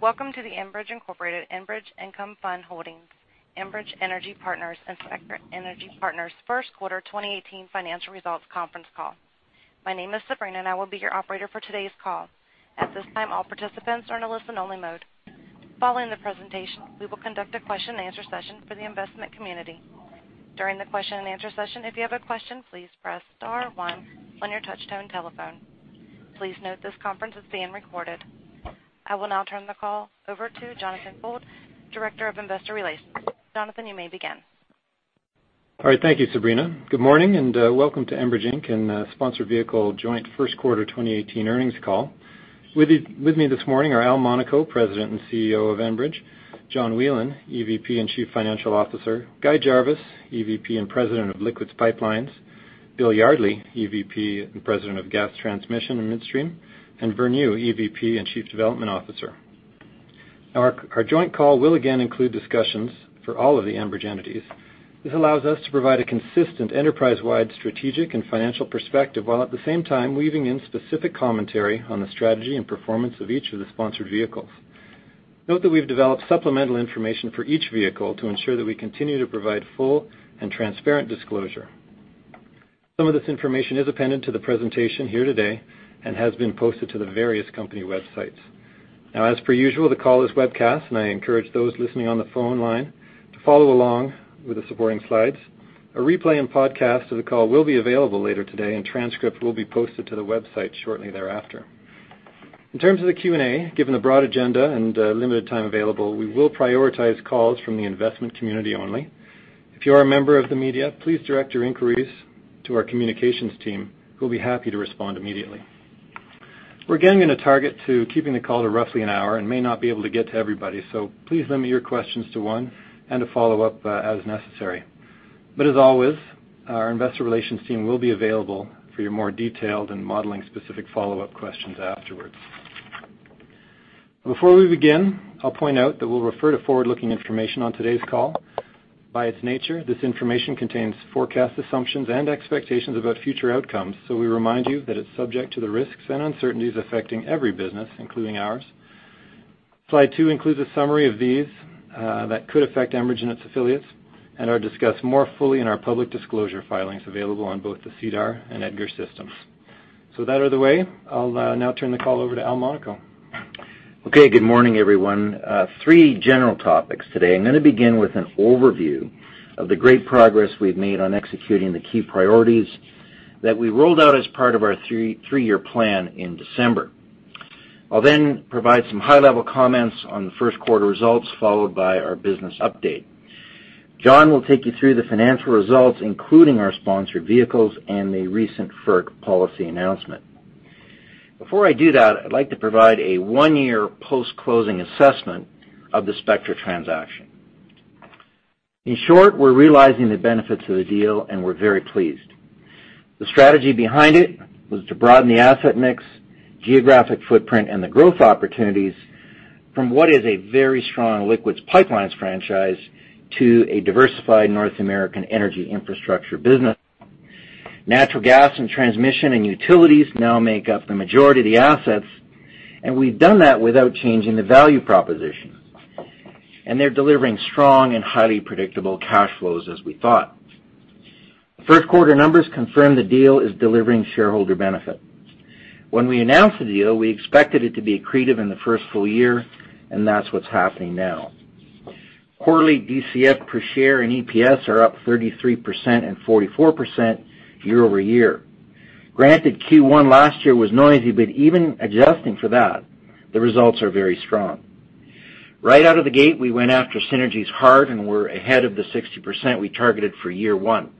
Welcome to the Enbridge Incorporated Enbridge Income Fund Holdings, Enbridge Energy Partners, and Spectra Energy Partners first quarter 2018 financial results conference call. My name is Sabrina and I will be your operator for today's call. At this time, all participants are in a listen only mode. Following the presentation, we will conduct a question and answer session for the investment community. During the question and answer session, if you have a question, please press star one on your touchtone telephone. Please note this conference is being recorded. I will now turn the call over to Jonathan Gould, Director of Investor Relations. Jonathan, you may begin. Thank you, Sabrina. Good morning and welcome to Enbridge Inc. and Sponsor Vehicle joint first quarter 2018 earnings call. With me this morning are Al Monaco, President and CEO of Enbridge, John Whelen, EVP and Chief Financial Officer, Guy Jarvis, EVP and President of Liquids Pipelines, Bill Yardley, EVP and President of Gas Transmission and Midstream, and Vern Yu, EVP and Chief Development Officer. Our joint call will again include discussions for all of the Enbridge entities. This allows us to provide a consistent enterprise-wide strategic and financial perspective, while at the same time weaving in specific commentary on the strategy and performance of each of the sponsored vehicles. Note that we've developed supplemental information for each vehicle to ensure that we continue to provide full and transparent disclosure. Some of this information is appended to the presentation here today and has been posted to the various company websites. As per usual, the call is webcast, and I encourage those listening on the phone line to follow along with the supporting slides. A replay and podcast of the call will be available later today, and transcript will be posted to the website shortly thereafter. In terms of the Q&A, given the broad agenda and limited time available, we will prioritize calls from the investment community only. If you are a member of the media, please direct your inquiries to our communications team, who will be happy to respond immediately. We're again going to target to keeping the call to roughly an hour and may not be able to get to everybody, so please limit your questions to one and a follow-up as necessary. As always, our investor relations team will be available for your more detailed and modeling-specific follow-up questions afterwards. Before we begin, I'll point out that we'll refer to forward-looking information on today's call. By its nature, this information contains forecast assumptions and expectations about future outcomes. We remind you that it's subject to the risks and uncertainties affecting every business, including ours. Slide two includes a summary of these that could affect Enbridge and its affiliates and are discussed more fully in our public disclosure filings available on both the SEDAR and EDGAR systems. With that out of the way, I'll now turn the call over to Al Monaco. Okay. Good morning, everyone. Three general topics today. I'm going to begin with an overview of the great progress we've made on executing the key priorities that we rolled out as part of our 3-year plan in December. I'll provide some high-level comments on the first quarter results, followed by our business update. John will take you through the financial results, including our sponsored vehicles and the recent FERC policy announcement. Before I do that, I'd like to provide a 1-year post-closing assessment of the Spectra transaction. In short, we're realizing the benefits of the deal and we're very pleased. The strategy behind it was to broaden the asset mix, geographic footprint, and the growth opportunities from what is a very strong Liquids Pipelines franchise to a diversified North American energy infrastructure business. Natural gas and transmission and utilities now make up the majority of the assets, and we've done that without changing the value proposition. They're delivering strong and highly predictable cash flows as we thought. First quarter numbers confirm the deal is delivering shareholder benefit. When we announced the deal, we expected it to be accretive in the first full year, and that's what's happening now. Quarterly DCF per share and EPS are up 33% and 44% year-over-year. Granted, Q1 last year was noisy, but even adjusting for that, the results are very strong. Right out of the gate, we went after synergies hard, and we're ahead of the 60% we targeted for year 1.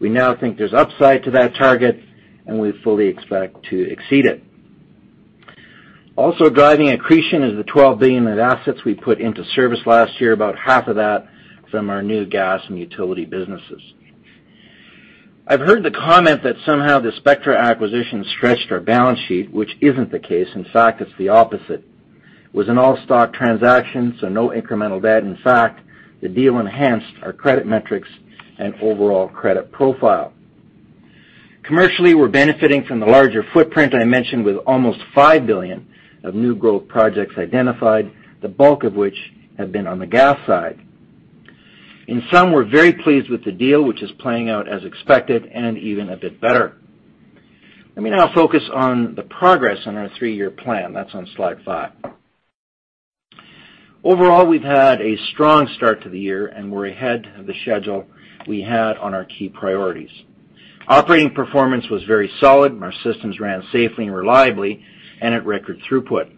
We now think there's upside to that target, and we fully expect to exceed it. Also driving accretion is the 12 billion in assets we put into service last year, about half of that from our new gas and utility businesses. I've heard the comment that somehow the Spectra acquisition stretched our balance sheet, which isn't the case. In fact, it's the opposite. It was an all-stock transaction, no incremental debt. In fact, the deal enhanced our credit metrics and overall credit profile. Commercially, we're benefiting from the larger footprint I mentioned with almost 5 billion of new growth projects identified, the bulk of which have been on the gas side. In sum, we're very pleased with the deal, which is playing out as expected and even a bit better. Let me now focus on the progress on our 3-year plan. That's on slide five. Overall, we've had a strong start to the year, and we're ahead of the schedule we had on our key priorities. Operating performance was very solid, and our systems ran safely and reliably and at record throughput.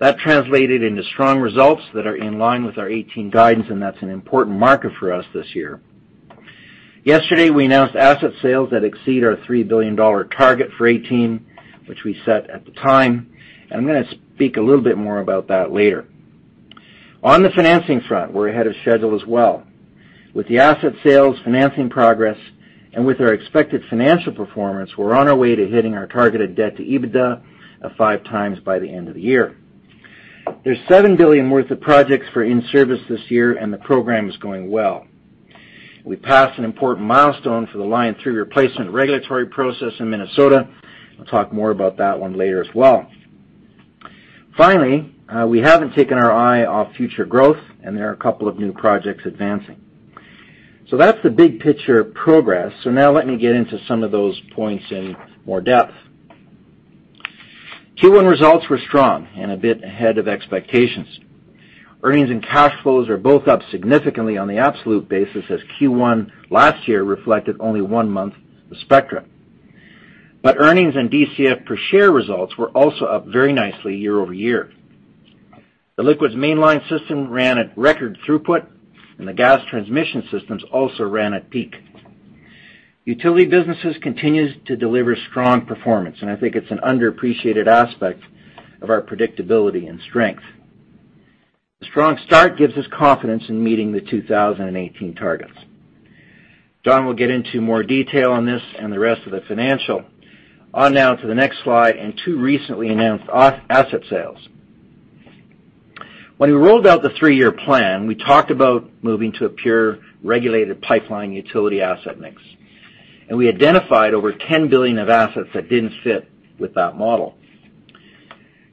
That translated into strong results that are in line with our 2018 guidance, and that's an important marker for us this year. Yesterday, we announced asset sales that exceed our 3 billion dollar target for 2018, which we set at the time. I'm going to speak a little bit more about that later. On the financing front, we're ahead of schedule as well. With the asset sales, financing progress, and with our expected financial performance, we're on our way to hitting our targeted debt to EBITDA of 5 times by the end of the year. There's 7 billion worth of projects for in-service this year, and the program is going well. We passed an important milestone for the Line 3 replacement regulatory process in Minnesota. I'll talk more about that one later as well. Finally, we haven't taken our eye off future growth, and there are a couple of new projects advancing. That's the big picture progress. Now let me get into some of those points in more depth. Q1 results were strong and a bit ahead of expectations. Earnings and cash flows are both up significantly on the absolute basis as Q1 last year reflected only one month with Spectra. Earnings and DCF per share results were also up very nicely year-over-year. The liquids mainline system ran at record throughput, and the gas transmission systems also ran at peak. Utility businesses continues to deliver strong performance, and I think it's an underappreciated aspect of our predictability and strength. The strong start gives us confidence in meeting the 2018 targets. John will get into more detail on this and the rest of the financial. On now to the next slide and two recently announced asset sales. When we rolled out the three-year plan, we talked about moving to a pure regulated pipeline utility asset mix, and we identified over 10 billion of assets that didn't fit with that model.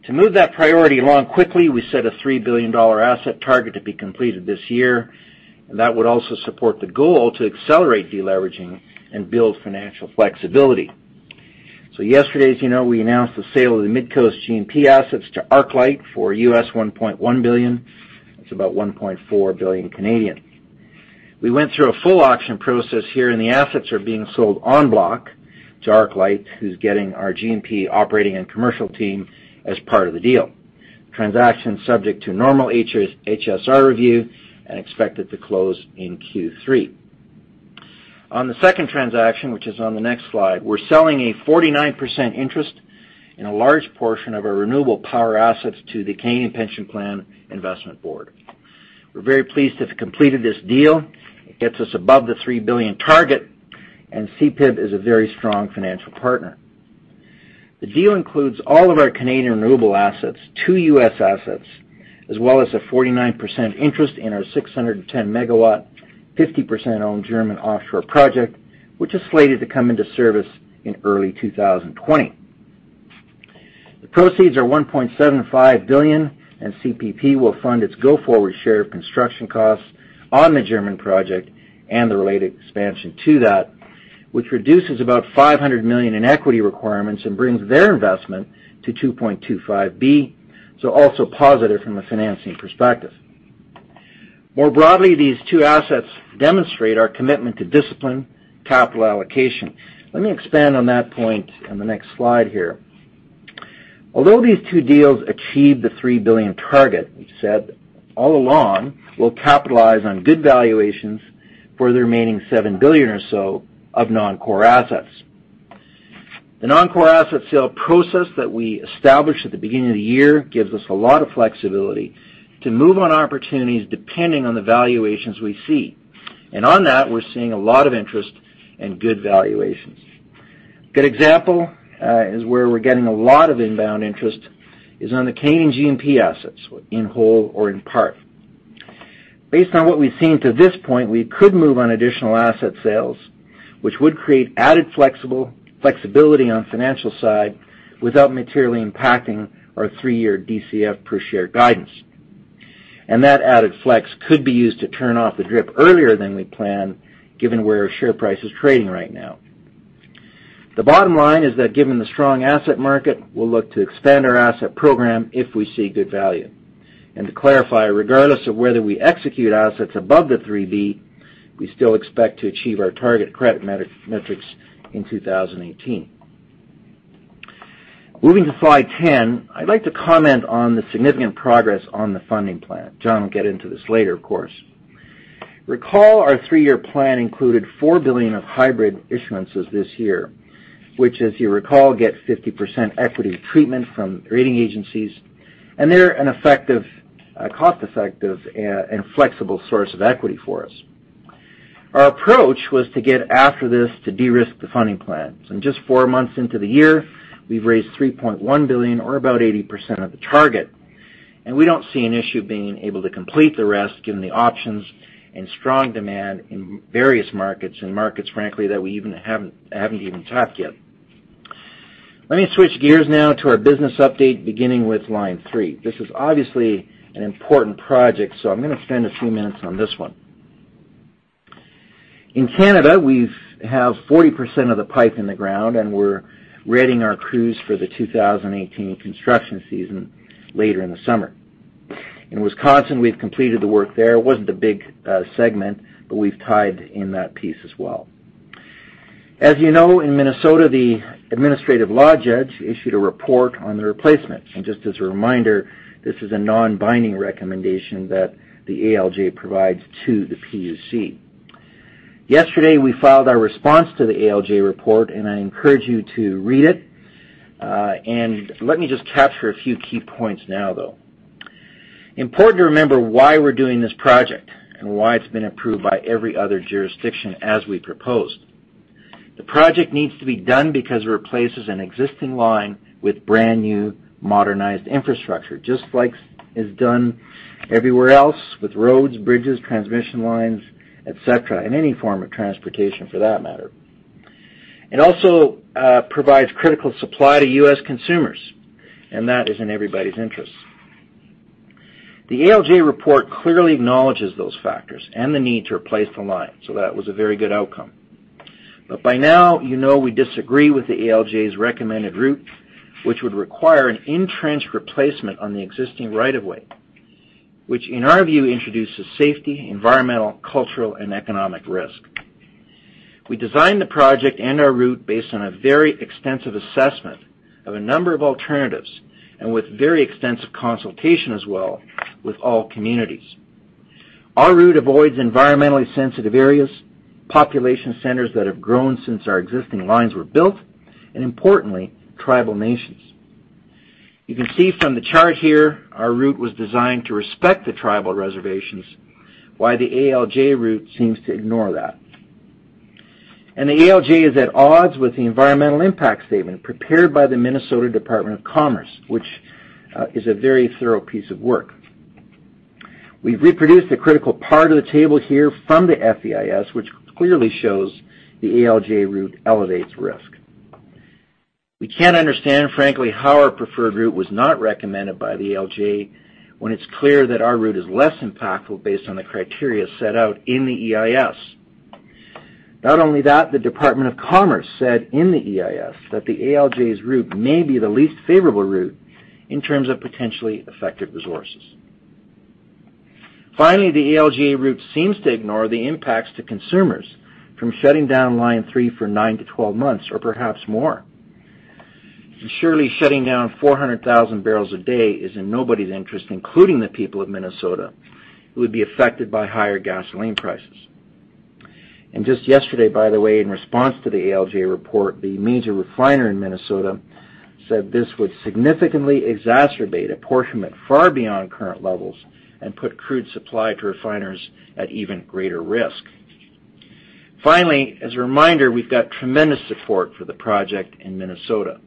To move that priority along quickly, we set a 3 billion dollar asset target to be completed this year, and that would also support the goal to accelerate de-leveraging and build financial flexibility. Yesterday, as you know, we announced the sale of the Midcoast G&P assets to ArcLight for US $1.1 billion. That's about 1.4 billion. We went through a full auction process here, and the assets are being sold en bloc to ArcLight, who's getting our G&P operating and commercial team as part of the deal. Transaction subject to normal HSR review and expected to close in Q3. On the second transaction, which is on the next slide, we're selling a 49% interest in a large portion of our renewable power assets to the Canada Pension Plan Investment Board. We're very pleased to have completed this deal. It gets us above the 3 billion target, and CPPIB is a very strong financial partner. The deal includes all of our Canadian renewable assets, two U.S. assets, as well as a 49% interest in our 610-megawatt, 50% owned German offshore project, which is slated to come into service in early 2020. The proceeds are 1.75 billion. CPP will fund its go-forward share of construction costs on the German project and the related expansion to that, which reduces about 500 million in equity requirements and brings their investment to 2.25 billion, so also positive from a financing perspective. More broadly, these two assets demonstrate our commitment to disciplined capital allocation. Let me expand on that point on the next slide here. Although these two deals achieve the 3 billion target, we've said all along we'll capitalize on good valuations for the remaining 7 billion or so of non-core assets. The non-core asset sale process that we established at the beginning of the year gives us a lot of flexibility to move on opportunities depending on the valuations we see. On that, we're seeing a lot of interest and good valuations. Good example is where we're getting a lot of inbound interest is on the Canadian G&P assets in whole or in part. Based on what we've seen to this point, we could move on additional asset sales, which would create added flexibility on the financial side without materially impacting our 3-year DCF per share guidance. That added flex could be used to turn off the DRIP earlier than we planned, given where our share price is trading right now. The bottom line is that given the strong asset market, we'll look to expand our asset program if we see good value. To clarify, regardless of whether we execute assets above 3 billion, we still expect to achieve our target credit metrics in 2018. Moving to slide 10, I'd like to comment on the significant progress on the funding plan. John will get into this later, of course. Recall our 3-year plan included 4 billion of hybrid issuances this year, which, as you recall, gets 50% equity treatment from rating agencies. They're an effective, cost-effective, and flexible source of equity for us. Our approach was to get after this to de-risk the funding plan. In just four months into the year, we've raised 3.1 billion or about 80% of the target. We don't see an issue being able to complete the rest given the options and strong demand in various markets and markets, frankly, that we haven't even tapped yet. Let me switch gears now to our business update, beginning with Line 3. This is obviously an important project, so I'm going to spend a few minutes on this one. In Canada, we have 40% of the pipe in the ground, and we're readying our crews for the 2018 construction season later in the summer. In Wisconsin, we've completed the work there. It wasn't a big segment, but we've tied in that piece as well. As you know, in Minnesota, the administrative law judge issued a report on the replacement. Just as a reminder, this is a non-binding recommendation that the ALJ provides to the PUC. Yesterday, we filed our response to the ALJ report. I encourage you to read it. Let me just capture a few key points now, though. Important to remember why we're doing this project and why it's been approved by every other jurisdiction as we proposed. The project needs to be done because it replaces an existing line with brand-new modernized infrastructure, just like is done everywhere else with roads, bridges, transmission lines, et cetera, and any form of transportation for that matter. It also provides critical supply to U.S. consumers, and that is in everybody's interest. The ALJ report clearly acknowledges those factors and the need to replace the line, so that was a very good outcome. By now, you know we disagree with the ALJ's recommended route, which would require an in-trench replacement on the existing right of way, which, in our view, introduces safety, environmental, cultural, and economic risk. We designed the project and our route based on a very extensive assessment of a number of alternatives and with very extensive consultation as well with all communities. Our route avoids environmentally sensitive areas, population centers that have grown since our existing lines were built, and importantly, tribal nations. You can see from the chart here, our route was designed to respect the tribal reservations, while the ALJ route seems to ignore that. The ALJ is at odds with the environmental impact statement prepared by the Minnesota Department of Commerce, which is a very thorough piece of work. We've reproduced a critical part of the table here from the FEIS, which clearly shows the ALJ route elevates risk. We cannot understand, frankly, how our preferred route was not recommended by the ALJ when it is clear that our route is less impactful based on the criteria set out in the EIS. Not only that, the Department of Commerce said in the EIS that the ALJ's route may be the least favorable route in terms of potentially affected resources. Finally, the ALJ route seems to ignore the impacts to consumers from shutting down Line 3 for 9 to 12 months, or perhaps more. Shutting down 400,000 barrels a day is in nobody's interest, including the people of Minnesota, who would be affected by higher gasoline prices. Just yesterday, by the way, in response to the ALJ report, the major refiner in Minnesota said this would significantly exacerbate apportionment far beyond current levels and put crude supply to refiners at even greater risk. Finally, as a reminder, we've got tremendous support for the project in Minnesota.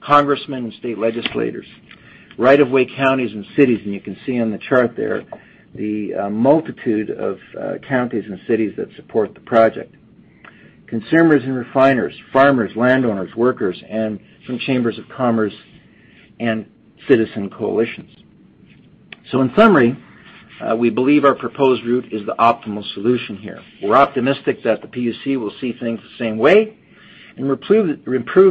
Congressmen and state legislators, right-of-way counties and cities, and you can see on the chart there the multitude of counties and cities that support the project. Consumers and refiners, farmers, landowners, workers, and some chambers of commerce and citizen coalitions. In summary, we believe our proposed route is the optimal solution here. We're optimistic that the PUC will see things the same way and approve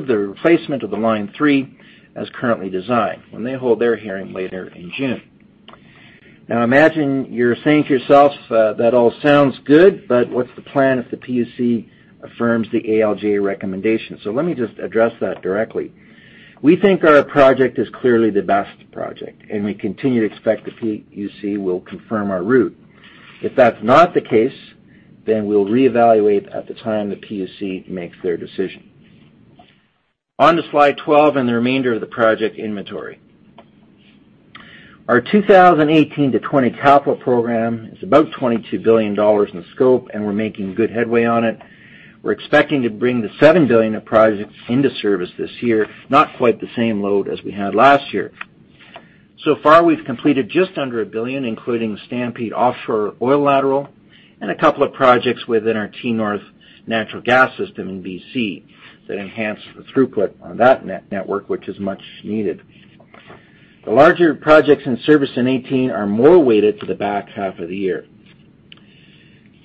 the replacement of the Line 3 as currently designed when they hold their hearing later in June. I imagine you're saying to yourself, "That all sounds good, but what's the plan if the PUC affirms the ALJ recommendation?" Let me just address that directly. We think our project is clearly the best project, and we continue to expect the PUC will confirm our route. If that's not the case, we'll reevaluate at the time the PUC makes their decision. On to slide 12 and the remainder of the project inventory. Our 2018 to 2020 capital program is about 22 billion dollars in scope, and we're making good headway on it. We're expecting to bring 7 billion of projects into service this year, not quite the same load as we had last year. So far, we've completed just under 1 billion, including the Stampede offshore oil lateral and a couple of projects within our T-North natural gas system in B.C. that enhance the throughput on that network, which is much needed. The larger projects in service in 2018 are more weighted to the back half of the year.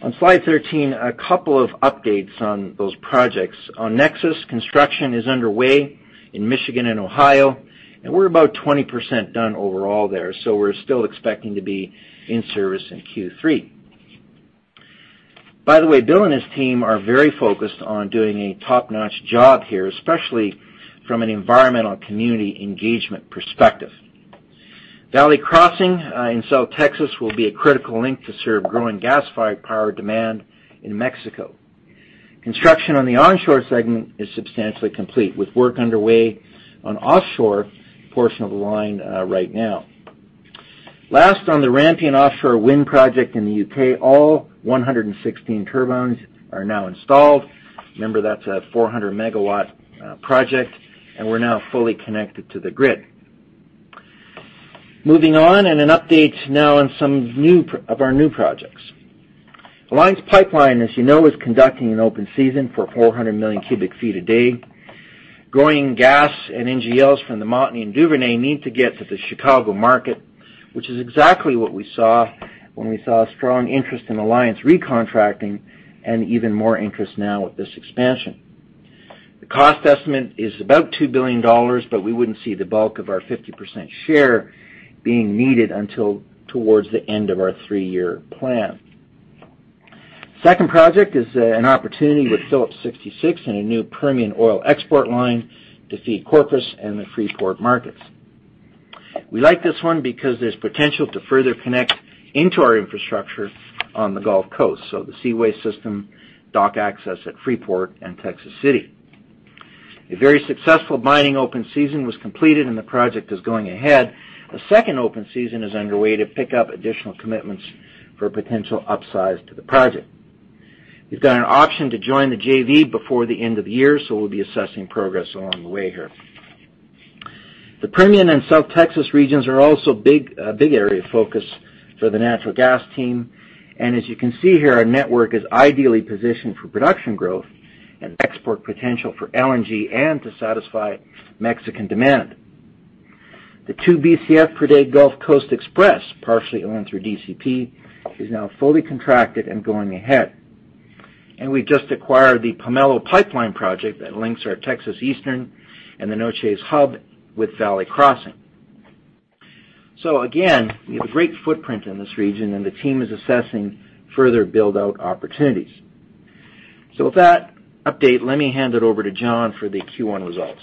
On slide 13, a couple of updates on those projects. On Nexus, construction is underway in Michigan and Ohio, and we're about 20% done overall there, so we're still expecting to be in service in Q3. Bill and his team are very focused on doing a top-notch job here, especially from an environmental community engagement perspective. Valley Crossing in South Texas will be a critical link to serve growing gas-fired power demand in Mexico. Construction on the onshore segment is substantially complete, with work underway on offshore portion of the line right now. Last, on the Rampion Offshore Wind project in the U.K., all 116 turbines are now installed. Remember, that's a 400-megawatt project, and we're now fully connected to the grid. Moving on, an update now on some of our new projects. Alliance Pipeline, as you know, is conducting an open season for 400 million cubic feet a day. Growing gas and NGLs from the Montney and Duvernay need to get to the Chicago market, which is exactly what we saw when we saw strong interest in Alliance recontracting and even more interest now with this expansion. The cost estimate is about 2 billion dollars, but we wouldn't see the bulk of our 50% share being needed until towards the end of our three-year plan. Second project is an opportunity with Phillips 66 in a new Permian oil export line to feed Corpus and the Freeport markets. We like this one because there's potential to further connect into our infrastructure on the Gulf Coast, so the Seaway system, dock access at Freeport and Texas City. A very successful binding open season was completed and the project is going ahead. A second open season is underway to pick up additional commitments for a potential upsize to the project. We've got an option to join the JV before the end of the year, so we'll be assessing progress along the way here. The Permian and South Texas regions are also a big area of focus for the natural gas team. As you can see here, our network is ideally positioned for production growth and export potential for LNG and to satisfy Mexican demand. The 2 BCF per day Gulf Coast Express, partially owned through DCP, is now fully contracted and going ahead. We just acquired the Pomelo Pipeline project that links our Texas Eastern and the Nueces Hub with Valley Crossing. Again, we have a great footprint in this region, and the team is assessing further build-out opportunities. With that update, let me hand it over to John for the Q1 results.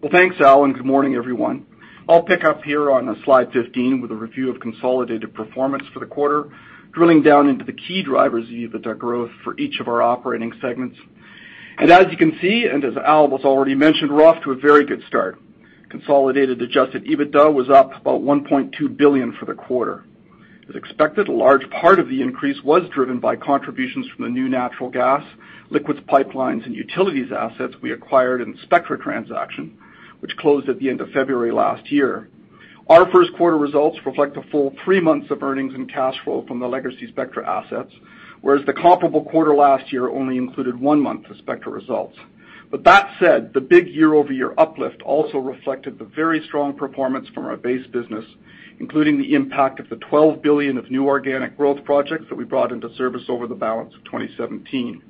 Well, thanks, Al, good morning, everyone. I'll pick up here on slide 15 with a review of consolidated performance for the quarter, drilling down into the key drivers of EBITDA growth for each of our operating segments. As you can see, as Al has already mentioned, we're off to a very good start. Consolidated adjusted EBITDA was up about 1.2 billion for the quarter. As expected, a large part of the increase was driven by contributions from the new natural gas, liquids pipelines, and utilities assets we acquired in the Spectra transaction, which closed at the end of February last year. Our first quarter results reflect the full three months of earnings and cash flow from the legacy Spectra assets, whereas the comparable quarter last year only included one month of Spectra results. With that said, the big year-over-year uplift also reflected the very strong performance from our base business, including the impact of the 12 billion of new organic growth projects that we brought into service over the balance of 2017.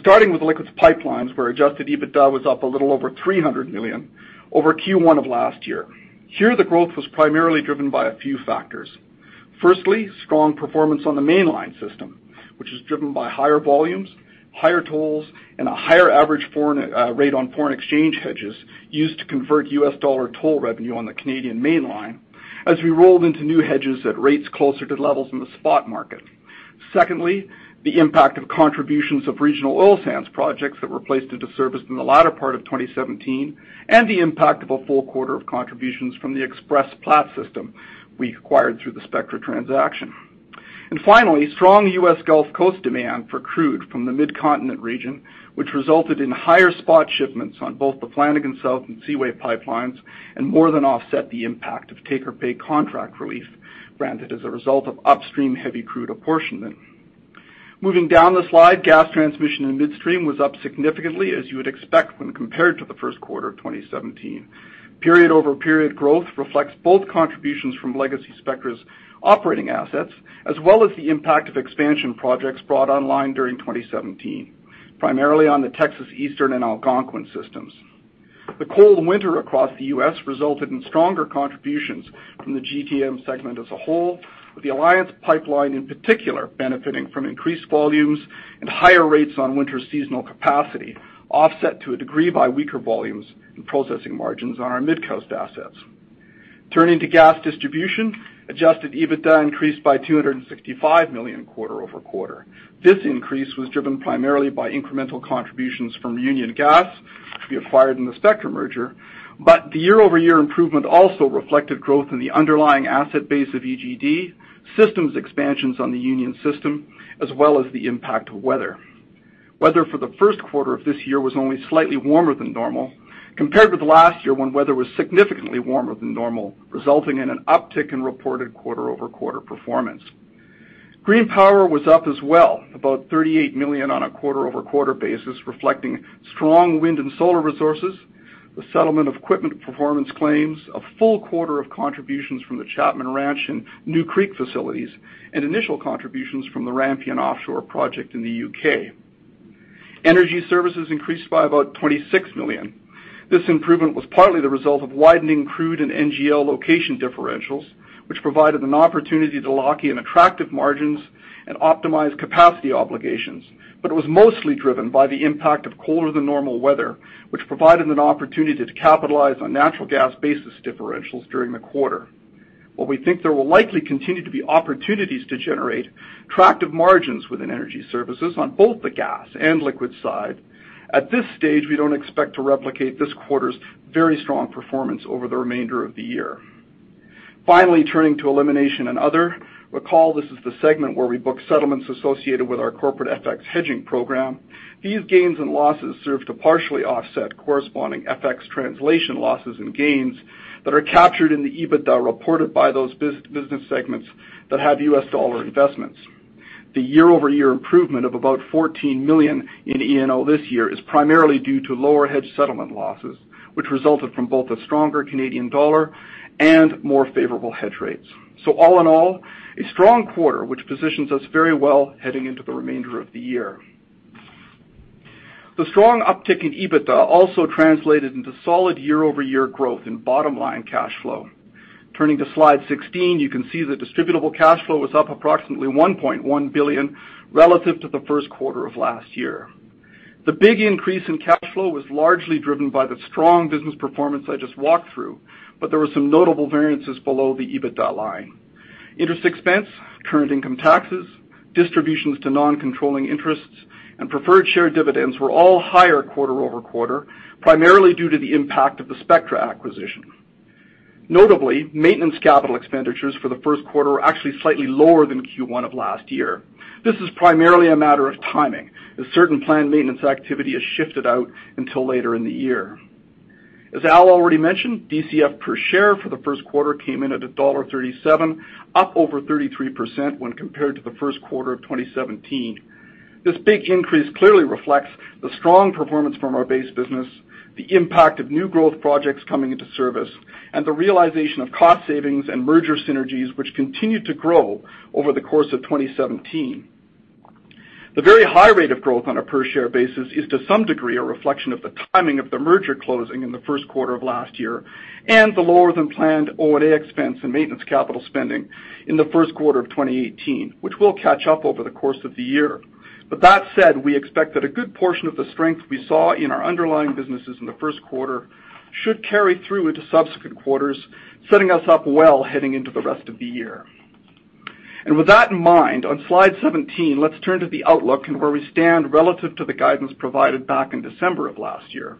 Starting with Liquids Pipelines, where adjusted EBITDA was up a little over 300 million over Q1 of last year. Here, the growth was primarily driven by a few factors. Firstly, strong performance on the mainline system, which is driven by higher volumes, higher tolls, and a higher average rate on foreign exchange hedges used to convert U.S. dollar toll revenue on the Canadian mainline as we rolled into new hedges at rates closer to levels in the spot market. Secondly, the impact of contributions of regional oil sands projects that were placed into service in the latter part of 2017 and the impact of a full quarter of contributions from the Express-Platte system we acquired through the Spectra transaction. Finally, strong U.S. Gulf Coast demand for crude from the Midcontinent region, which resulted in higher spot shipments on both the Flanagan South and Seaway pipelines and more than offset the impact of take-or-pay contract relief granted as a result of upstream heavy crude apportionment. Moving down the slide, Gas Transmission and Midstream was up significantly as you would expect when compared to the first quarter of 2017. Period-over-period growth reflects both contributions from legacy Spectra's operating assets, as well as the impact of expansion projects brought online during 2017, primarily on the Texas Eastern and Algonquin systems. The cold winter across the U.S. resulted in stronger contributions from the GTM segment as a whole, with the Alliance Pipeline in particular benefiting from increased volumes and higher rates on winter seasonal capacity, offset to a degree by weaker volumes and processing margins on our Midcoast assets. Turning to gas distribution, adjusted EBITDA increased by 265 million quarter-over-quarter. This increase was driven primarily by incremental contributions from Union Gas, which we acquired in the Spectra merger. The year-over-year improvement also reflected growth in the underlying asset base of EGD, systems expansions on the Union system, as well as the impact of weather. Weather for the first quarter of this year was only slightly warmer than normal compared with last year when weather was significantly warmer than normal, resulting in an uptick in reported quarter-over-quarter performance. Green Power was up as well, about 38 million on a quarter-over-quarter basis, reflecting strong wind and solar resources, the settlement of equipment performance claims, a full quarter of contributions from the Chapman Ranch and New Creek facilities, and initial contributions from the Rampion Offshore project in the U.K. Energy Services increased by about 26 million. This improvement was partly the result of widening crude and NGL location differentials, which provided an opportunity to lock in attractive margins and optimize capacity obligations. It was mostly driven by the impact of colder than normal weather, which provided an opportunity to capitalize on natural gas basis differentials during the quarter. While we think there will likely continue to be opportunities to generate attractive margins within Energy Services on both the gas and liquid side, at this stage, we don't expect to replicate this quarter's very strong performance over the remainder of the year. Finally, turning to elimination and other. Recall, this is the segment where we book settlements associated with our corporate FX hedging program. These gains and losses serve to partially offset corresponding FX translation losses and gains that are captured in the EBITDA reported by those business segments that have US dollar investments. The year-over-year improvement of about 14 million in E&O this year is primarily due to lower hedge settlement losses, which resulted from both a stronger Canadian dollar and more favorable hedge rates. All in all, a strong quarter, which positions us very well heading into the remainder of the year. The strong uptick in EBITDA also translated into solid year-over-year growth in bottom-line cash flow. Turning to slide 16, you can see the distributable cash flow was up approximately 1.1 billion relative to the first quarter of last year. The big increase in cash flow was largely driven by the strong business performance I just walked through, but there were some notable variances below the EBITDA line. Interest expense, current income taxes, distributions to non-controlling interests, and preferred share dividends were all higher quarter-over-quarter, primarily due to the impact of the Spectra acquisition. Notably, maintenance capital expenditures for the first quarter were actually slightly lower than Q1 of last year. This is primarily a matter of timing, as certain planned maintenance activity has shifted out until later in the year. As Al already mentioned, DCF per share for the first quarter came in at dollar 1.37, up over 33% when compared to the first quarter of 2017. This big increase clearly reflects the strong performance from our base business, the impact of new growth projects coming into service, and the realization of cost savings and merger synergies which continued to grow over the course of 2017. The very high rate of growth on a per share basis is, to some degree, a reflection of the timing of the merger closing in the first quarter of last year and the lower-than-planned O&M expense and maintenance capital spending in the first quarter of 2018, which will catch up over the course of the year. That said, we expect that a good portion of the strength we saw in our underlying businesses in the first quarter should carry through into subsequent quarters, setting us up well heading into the rest of the year. With that in mind, on slide 17, let's turn to the outlook and where we stand relative to the guidance provided back in December of last year.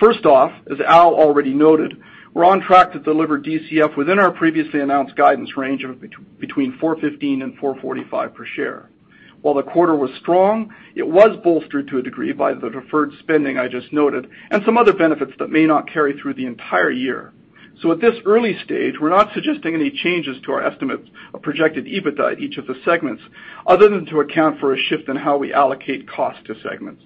First off, as Al already noted, we're on track to deliver DCF within our previously announced guidance range of between 4.15 and 4.45 per share. While the quarter was strong, it was bolstered to a degree by the deferred spending I just noted and some other benefits that may not carry through the entire year. At this early stage, we're not suggesting any changes to our estimates of projected EBITDA at each of the segments, other than to account for a shift in how we allocate cost to segments.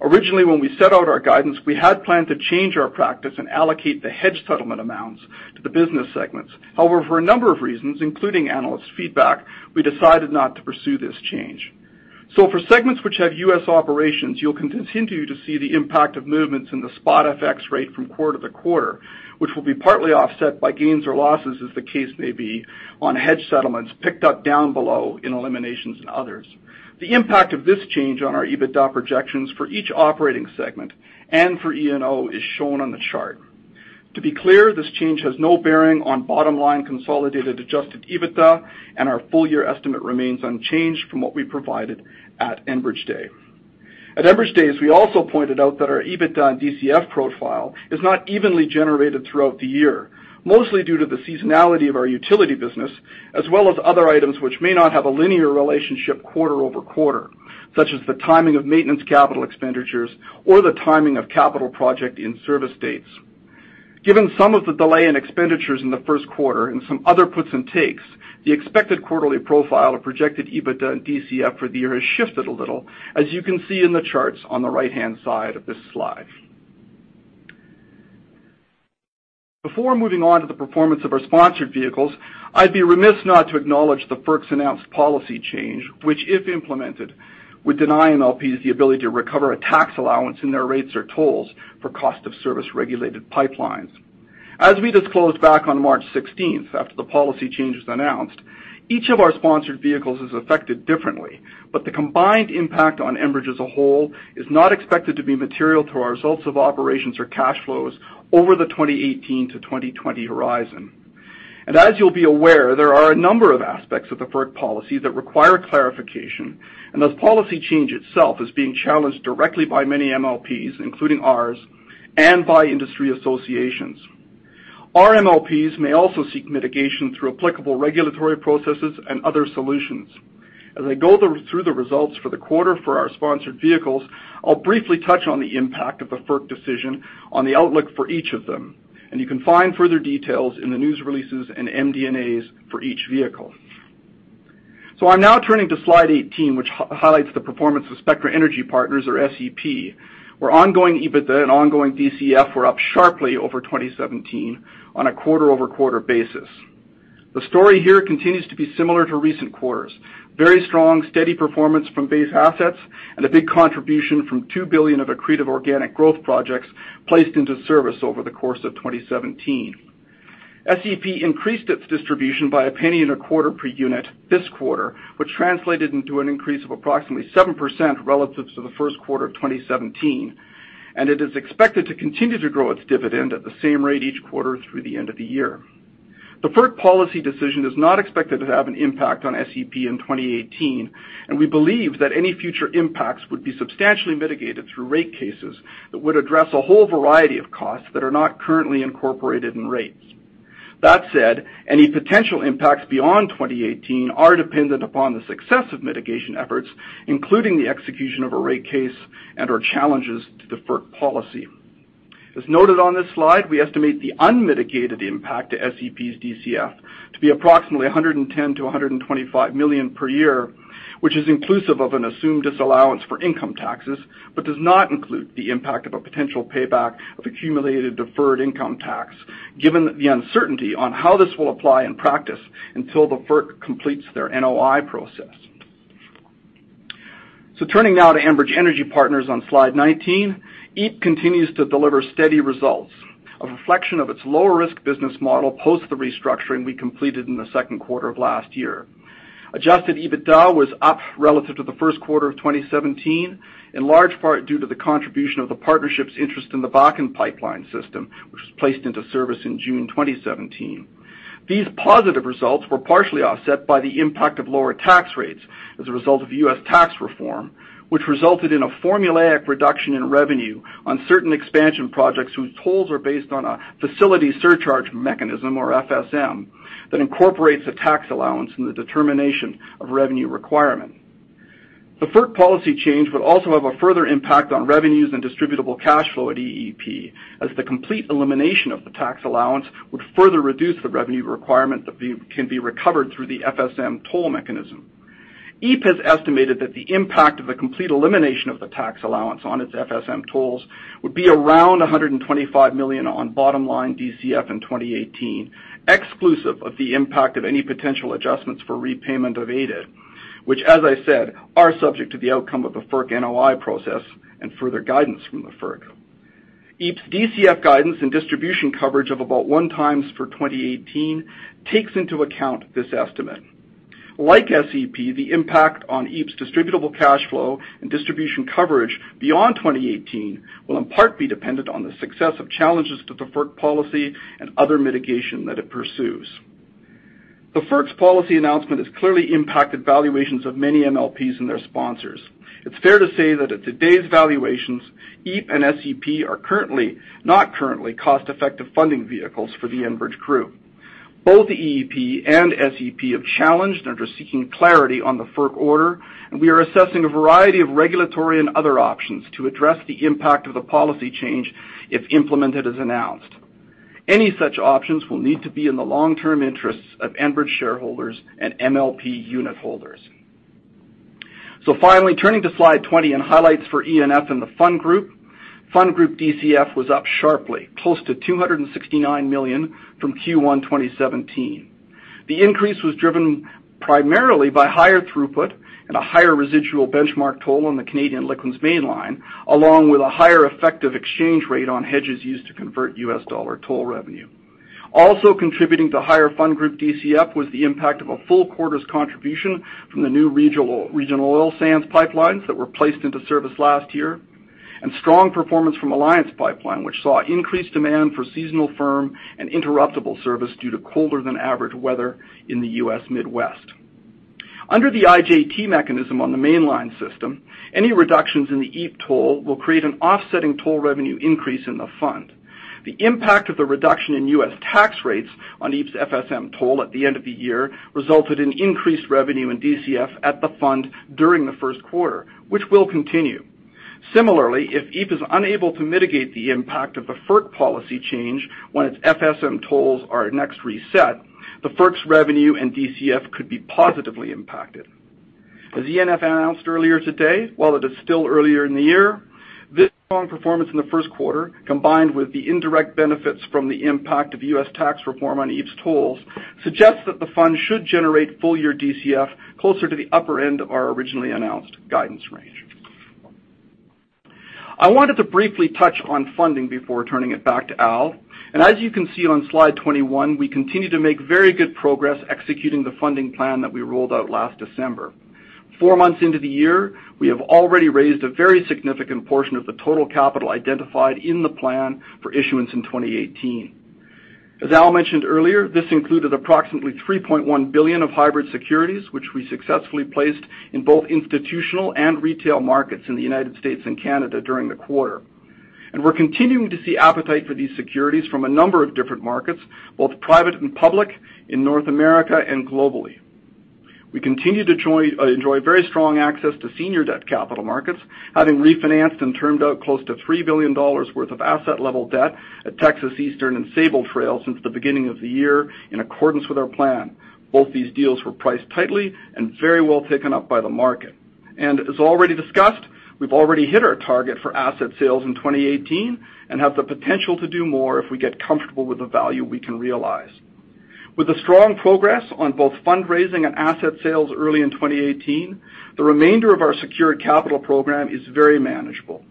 Originally, when we set out our guidance, we had planned to change our practice and allocate the hedge settlement amounts to the business segments. For a number of reasons, including analysts' feedback, we decided not to pursue this change. For segments which have U.S. operations, you'll continue to see the impact of movements in the spot FX rate from quarter to quarter, which will be partly offset by gains or losses as the case may be on hedge settlements picked up down below in Eliminations and Others. The impact of this change on our EBITDA projections for each operating segment and for E&O is shown on the chart. To be clear, this change has no bearing on bottom-line consolidated adjusted EBITDA. Our full year estimate remains unchanged from what we provided at Enbridge Day. At Enbridge Day, as we also pointed out that our EBITDA and DCF profile is not evenly generated throughout the year, mostly due to the seasonality of our utility business, as well as other items which may not have a linear relationship quarter-over-quarter, such as the timing of maintenance capital expenditures or the timing of capital project and service dates. Given some of the delay in expenditures in the first quarter and some other puts and takes, the expected quarterly profile of projected EBITDA and DCF for the year has shifted a little, as you can see in the charts on the right-hand side of this slide. Before moving on to the performance of our sponsored vehicles, I'd be remiss not to acknowledge the FERC's announced policy change, which if implemented, would deny MLPs the ability to recover a tax allowance in their rates or tolls for cost of service-regulated pipelines. As we disclosed back on March 16th, after the policy change was announced, each of our sponsored vehicles is affected differently, but the combined impact on Enbridge as a whole is not expected to be material to our results of operations or cash flows over the 2018 to 2020 horizon. As you'll be aware, there are a number of aspects of the FERC policy that require clarification, and the policy change itself is being challenged directly by many MLPs, including ours, and by industry associations. Our MLPs may also seek mitigation through applicable regulatory processes and other solutions. As I go through the results for the quarter for our sponsored vehicles, I'll briefly touch on the impact of the FERC decision on the outlook for each of them. You can find further details in the news releases and MD&As for each vehicle. I'm now turning to slide 18, which highlights the performance of Spectra Energy Partners, or SEP, where ongoing EBITDA and ongoing DCF were up sharply over 2017 on a quarter-over-quarter basis. The story here continues to be similar to recent quarters. Very strong, steady performance from base assets and a big contribution from 2 billion of accretive organic growth projects placed into service over the course of 2017. SEP increased its distribution by a penny and a quarter per unit this quarter, which translated into an increase of approximately 7% relative to the first quarter of 2017, and it is expected to continue to grow its dividend at the same rate each quarter through the end of the year. The FERC policy decision is not expected to have an impact on SEP in 2018, and we believe that any future impacts would be substantially mitigated through rate cases that would address a whole variety of costs that are not currently incorporated in rates. Any potential impacts beyond 2018 are dependent upon the success of mitigation efforts, including the execution of a rate case and/or challenges to the FERC policy. As noted on this slide, we estimate the unmitigated impact to SEP's DCF to be approximately 110 million-125 million per year, which is inclusive of an assumed disallowance for income taxes, but does not include the impact of a potential payback of accumulated deferred income tax, given the uncertainty on how this will apply in practice until the FERC completes their NOI process. Turning now to Enbridge Energy Partners on slide 19, EEP continues to deliver steady results, a reflection of its lower-risk business model post the restructuring we completed in the second quarter of last year. Adjusted EBITDA was up relative to the first quarter of 2017, in large part due to the contribution of the partnership's interest in the Bakken pipeline system, which was placed into service in June 2017. These positive results were partially offset by the impact of lower tax rates as a result of U.S. tax reform, which resulted in a formulaic reduction in revenue on certain expansion projects whose tolls are based on a facility surcharge mechanism, or FSM, that incorporates a tax allowance in the determination of revenue requirement. The FERC policy change would also have a further impact on revenues and distributable cash flow at EEP, as the complete elimination of the tax allowance would further reduce the revenue requirement that can be recovered through the FSM toll mechanism. EEP has estimated that the impact of the complete elimination of the tax allowance on its FSM tolls would be around 125 million on bottom-line DCF in 2018, exclusive of the impact of any potential adjustments for repayment of ADT which, as I said, are subject to the outcome of the FERC NOI process and further guidance from the FERC. EEP's DCF guidance and distribution coverage of about one times for 2018 takes into account this estimate. Like SEP, the impact on EEP's distributable cash flow and distribution coverage beyond 2018 will in part be dependent on the success of challenges to the FERC policy and other mitigation that it pursues. The FERC's policy announcement has clearly impacted valuations of many MLPs and their sponsors. It's fair to say that at today's valuations, EEP and SEP are not currently cost-effective funding vehicles for the Enbridge group. Both EEP and SEP have challenged and are seeking clarity on the FERC order, and we are assessing a variety of regulatory and other options to address the impact of the policy change if implemented as announced. Any such options will need to be in the long-term interests of Enbridge shareholders and MLP unitholders. Finally, turning to slide 20 and highlights for ENF and the fund group. Fund Group DCF was up sharply, close to 269 million from Q1 2017. The increase was driven primarily by higher throughput and a higher residual benchmark toll on the Canadian liquids mainline, along with a higher effective exchange rate on hedges used to convert US dollar toll revenue. Also contributing to higher fund group DCF was the impact of a full quarter's contribution from the new regional oil sands pipelines that were placed into service last year, and strong performance from Alliance Pipeline, which saw increased demand for seasonal firm and interruptible service due to colder than average weather in the U.S. Midwest. Under the IJT mechanism on the mainline system, any reductions in the EEP toll will create an offsetting toll revenue increase in the fund. The impact of the reduction in U.S. tax rates on EEP's FSM toll at the end of the year resulted in increased revenue and DCF at the fund during the first quarter, which will continue. Similarly, if EEP is unable to mitigate the impact of the FERC policy change when its FSM tolls are next reset, the FERC's revenue and DCF could be positively impacted. As ENF announced earlier today, while it is still earlier in the year, this strong performance in the first quarter, combined with the indirect benefits from the impact of U.S. tax reform on EEP's tolls, suggests that the fund should generate full-year DCF closer to the upper end of our originally announced guidance range. I wanted to briefly touch on funding before turning it back to Al, and as you can see on slide 21, we continue to make very good progress executing the funding plan that we rolled out last December. Four months into the year, we have already raised a very significant portion of the total capital identified in the plan for issuance in 2018. As Al mentioned earlier, this included approximately 3.1 billion of hybrid securities, which we successfully placed in both institutional and retail markets in the U.S. and Canada during the quarter. We're continuing to see appetite for these securities from a number of different markets, both private and public, in North America and globally. We continue to enjoy very strong access to senior debt capital markets, having refinanced and termed out close to $3 billion worth of asset-level debt at Texas Eastern and Sabal Trail since the beginning of the year in accordance with our plan. Both these deals were priced tightly and very well taken up by the market. As already discussed, we've already hit our target for asset sales in 2018 and have the potential to do more if we get comfortable with the value we can realize. With the strong progress on both fundraising and asset sales early in 2018, the remainder of our secured capital program is very manageable.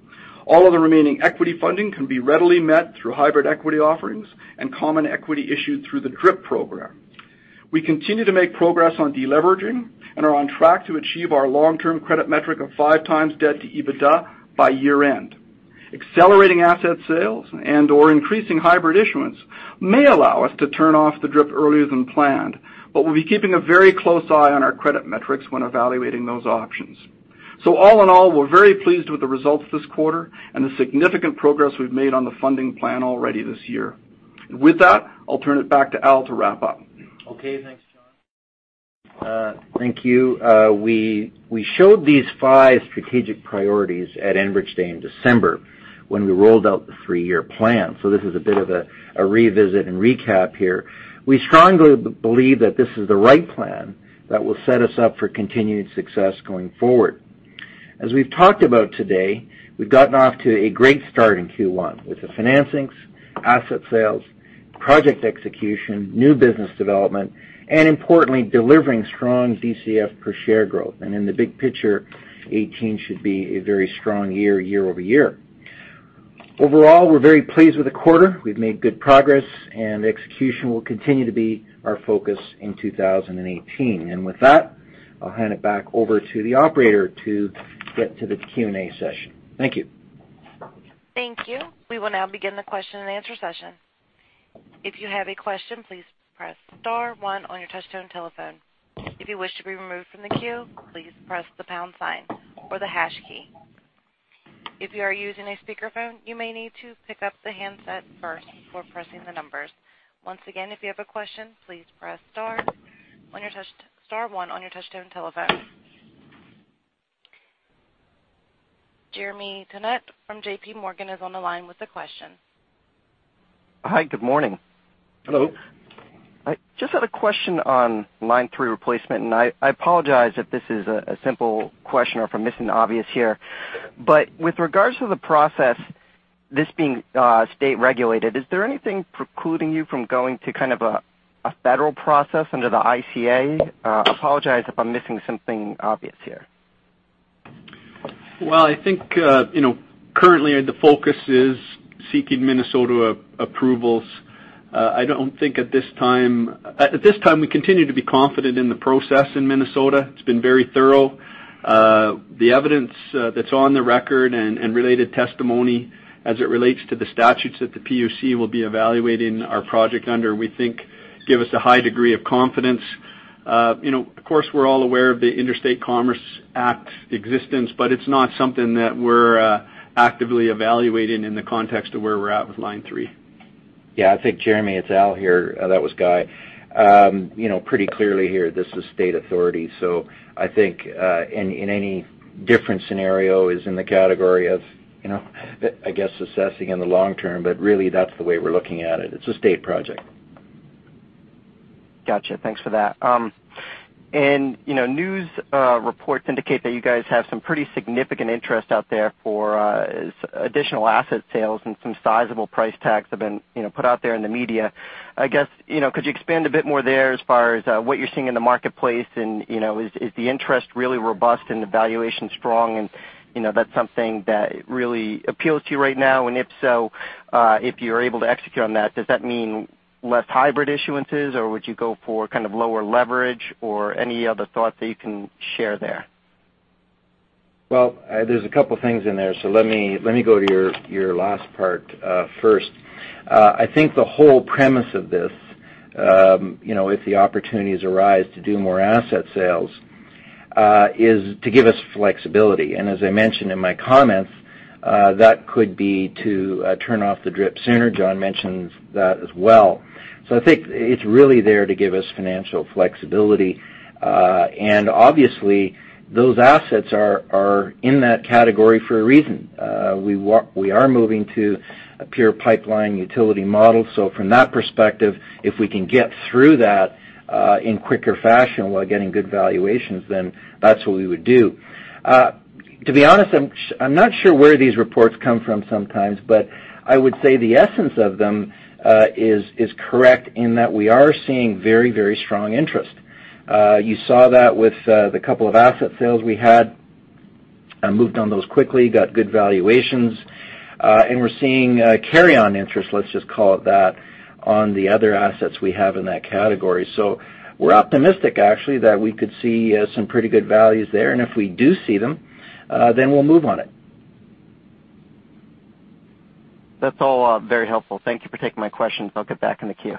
All of the remaining equity funding can be readily met through hybrid equity offerings and common equity issued through the DRIP program. We continue to make progress on de-leveraging and are on track to achieve our long-term credit metric of five times debt to EBITDA by year-end. Accelerating asset sales and/or increasing hybrid issuance may allow us to turn off the DRIP earlier than planned, but we'll be keeping a very close eye on our credit metrics when evaluating those options. All in all, we're very pleased with the results this quarter and the significant progress we've made on the funding plan already this year. With that, I'll turn it back to Al to wrap up. Okay, thanks, John. Thank you. We showed these five strategic priorities at Enbridge Day in December when we rolled out the three-year plan. This is a bit of a revisit and recap here. We strongly believe that this is the right plan that will set us up for continued success going forward. As we've talked about today, we've gotten off to a great start in Q1 with the financings, asset sales, project execution, new business development, and importantly, delivering strong DCF per share growth. In the big picture, 2018 should be a very strong year-over-year. Overall, we're very pleased with the quarter. We've made good progress, and execution will continue to be our focus in 2018. With that, I'll hand it back over to the operator to get to the Q&A session. Thank you. Thank you. We will now begin the question and answer session. If you have a question, please press star one on your touch-tone telephone. If you wish to be removed from the queue, please press the pound sign or the hash key. If you are using a speakerphone, you may need to pick up the handset first before pressing the numbers. Once again, if you have a question, please press star one on your touch-tone telephone. Jeremy Tonet from J.P. Morgan is on the line with a question. Hi. Good morning. Hello. I just had a question on Line 3 replacement, and I apologize if this is a simple question or if I'm missing the obvious here. With regards to the process, this being state-regulated, is there anything precluding you from going to a federal process under the ICA? I apologize if I'm missing something obvious here. I think currently the focus is seeking Minnesota approvals. At this time, we continue to be confident in the process in Minnesota. It's been very thorough. The evidence that's on the record and related testimony as it relates to the statutes that the PUC will be evaluating our project under, we think give us a high degree of confidence. Of course, we're all aware of the Interstate Commerce Act existence, it's not something that we're actively evaluating in the context of where we're at with Line 3. I think, Jeremy, it's Al here. That was Guy. Pretty clearly here, this is state authority, I think any different scenario is in the category of, I guess, assessing in the long term. Really, that's the way we're looking at it. It's a state project. Got you. Thanks for that. News reports indicate that you guys have some pretty significant interest out there for additional asset sales, and some sizable price tags have been put out there in the media. I guess, could you expand a bit more there as far as what you're seeing in the marketplace? Is the interest really robust and the valuation strong, and that's something that really appeals to you right now? If so, if you're able to execute on that, does that mean less hybrid issuances, or would you go for lower leverage or any other thoughts that you can share there? Well, there's a couple things in there, so let me go to your last part first. I think the whole premise of this, if the opportunities arise to do more asset sales, is to give us flexibility. As I mentioned in my comments, that could be to turn off the DRIP sooner. John mentioned that as well. I think it's really there to give us financial flexibility. Obviously those assets are in that category for a reason. We are moving to a pure pipeline utility model. From that perspective, if we can get through that in quicker fashion while getting good valuations, then that's what we would do. To be honest, I'm not sure where these reports come from sometimes, but I would say the essence of them is correct in that we are seeing very strong interest. You saw that with the couple of asset sales we had and moved on those quickly, got good valuations. We're seeing carry-on interest, let's just call it that, on the other assets we have in that category. We're optimistic, actually, that we could see some pretty good values there. If we do see them, then we'll move on it. That's all very helpful. Thank you for taking my questions. I'll get back in the queue.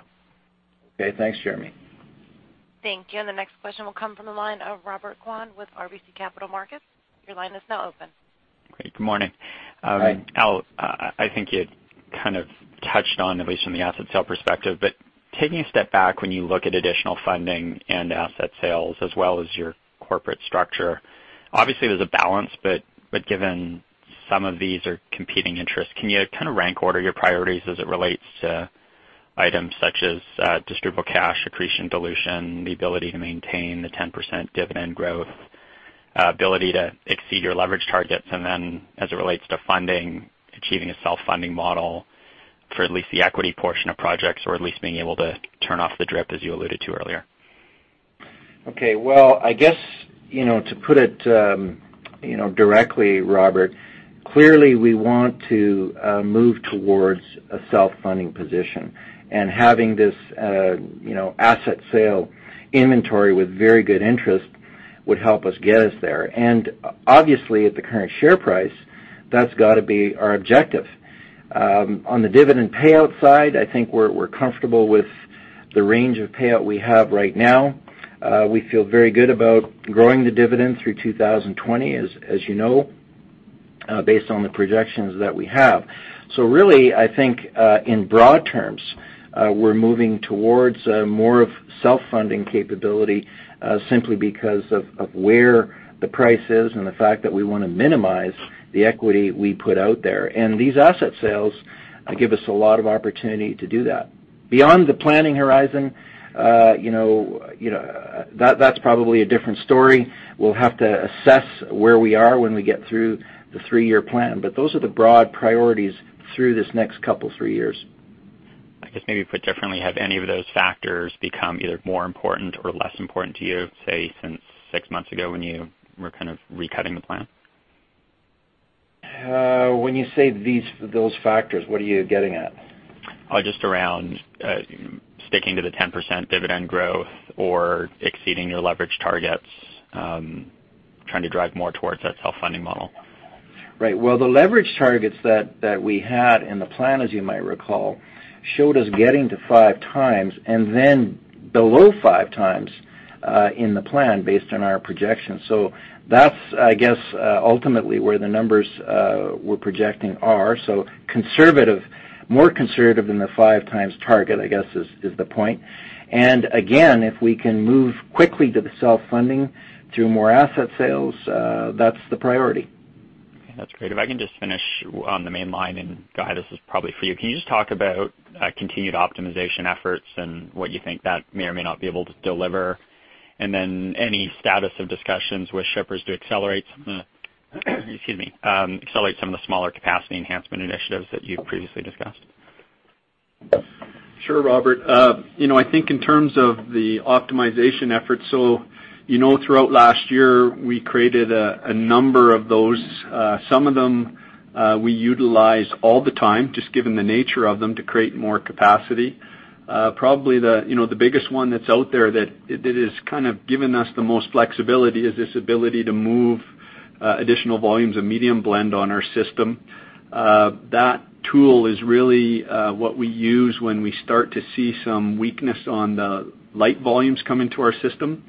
Okay. Thanks, Jeremy. Thank you. The next question will come from the line of Robert Kwan with RBC Capital Markets. Your line is now open. Great. Good morning. Hi. Al, I think you kind of touched on, at least from the asset sale perspective, but taking a step back when you look at additional funding and asset sales as well as your corporate structure, obviously there's a balance, but given some of these are competing interests, can you kind of rank order your priorities as it relates to items such as distributable cash, accretion, dilution, the ability to maintain the 10% dividend growth, ability to exceed your leverage targets, and then as it relates to funding, achieving a self-funding model for at least the equity portion of projects or at least being able to turn off the DRIP, as you alluded to earlier? Okay. Well, I guess, to put it directly, Robert, clearly, we want to move towards a self-funding position and having this asset sale inventory with very good interest would help us get us there. Obviously at the current share price, that's got to be our objective. On the dividend payout side, I think we're comfortable with the range of payout we have right now. We feel very good about growing the dividend through 2020, as you know, based on the projections that we have. Really, I think, in broad terms, we're moving towards more of self-funding capability simply because of where the price is and the fact that we want to minimize the equity we put out there. These asset sales give us a lot of opportunity to do that. Beyond the planning horizon, that's probably a different story. We'll have to assess where we are when we get through the three-year plan. Those are the broad priorities through this next couple, three years. I guess maybe put differently, have any of those factors become either more important or less important to you, say, since six months ago when you were recutting the plan? When you say those factors, what are you getting at? Just around sticking to the 10% dividend growth or exceeding your leverage targets, trying to drive more towards that self-funding model. Right. Well, the leverage targets that we had in the plan, as you might recall, showed us getting to five times and then below five times in the plan based on our projections. That's, I guess, ultimately where the numbers we're projecting are. More conservative than the five times target, I guess, is the point. Again, if we can move quickly to the self-funding through more asset sales, that's the priority. Okay, that's great. If I can just finish on the Mainline, Guy, this is probably for you. Can you just talk about continued optimization efforts and what you think that may or may not be able to deliver? Then any status of discussions with shippers to accelerate some of the smaller capacity enhancement initiatives that you previously discussed? Sure, Robert. I think in terms of the optimization efforts, throughout last year, we created a number of those. Some of them we utilize all the time, just given the nature of them, to create more capacity. Probably the biggest one that's out there that has given us the most flexibility is this ability to move additional volumes of medium blend on our system. That tool is really what we use when we start to see some weakness on the light volumes come into our system.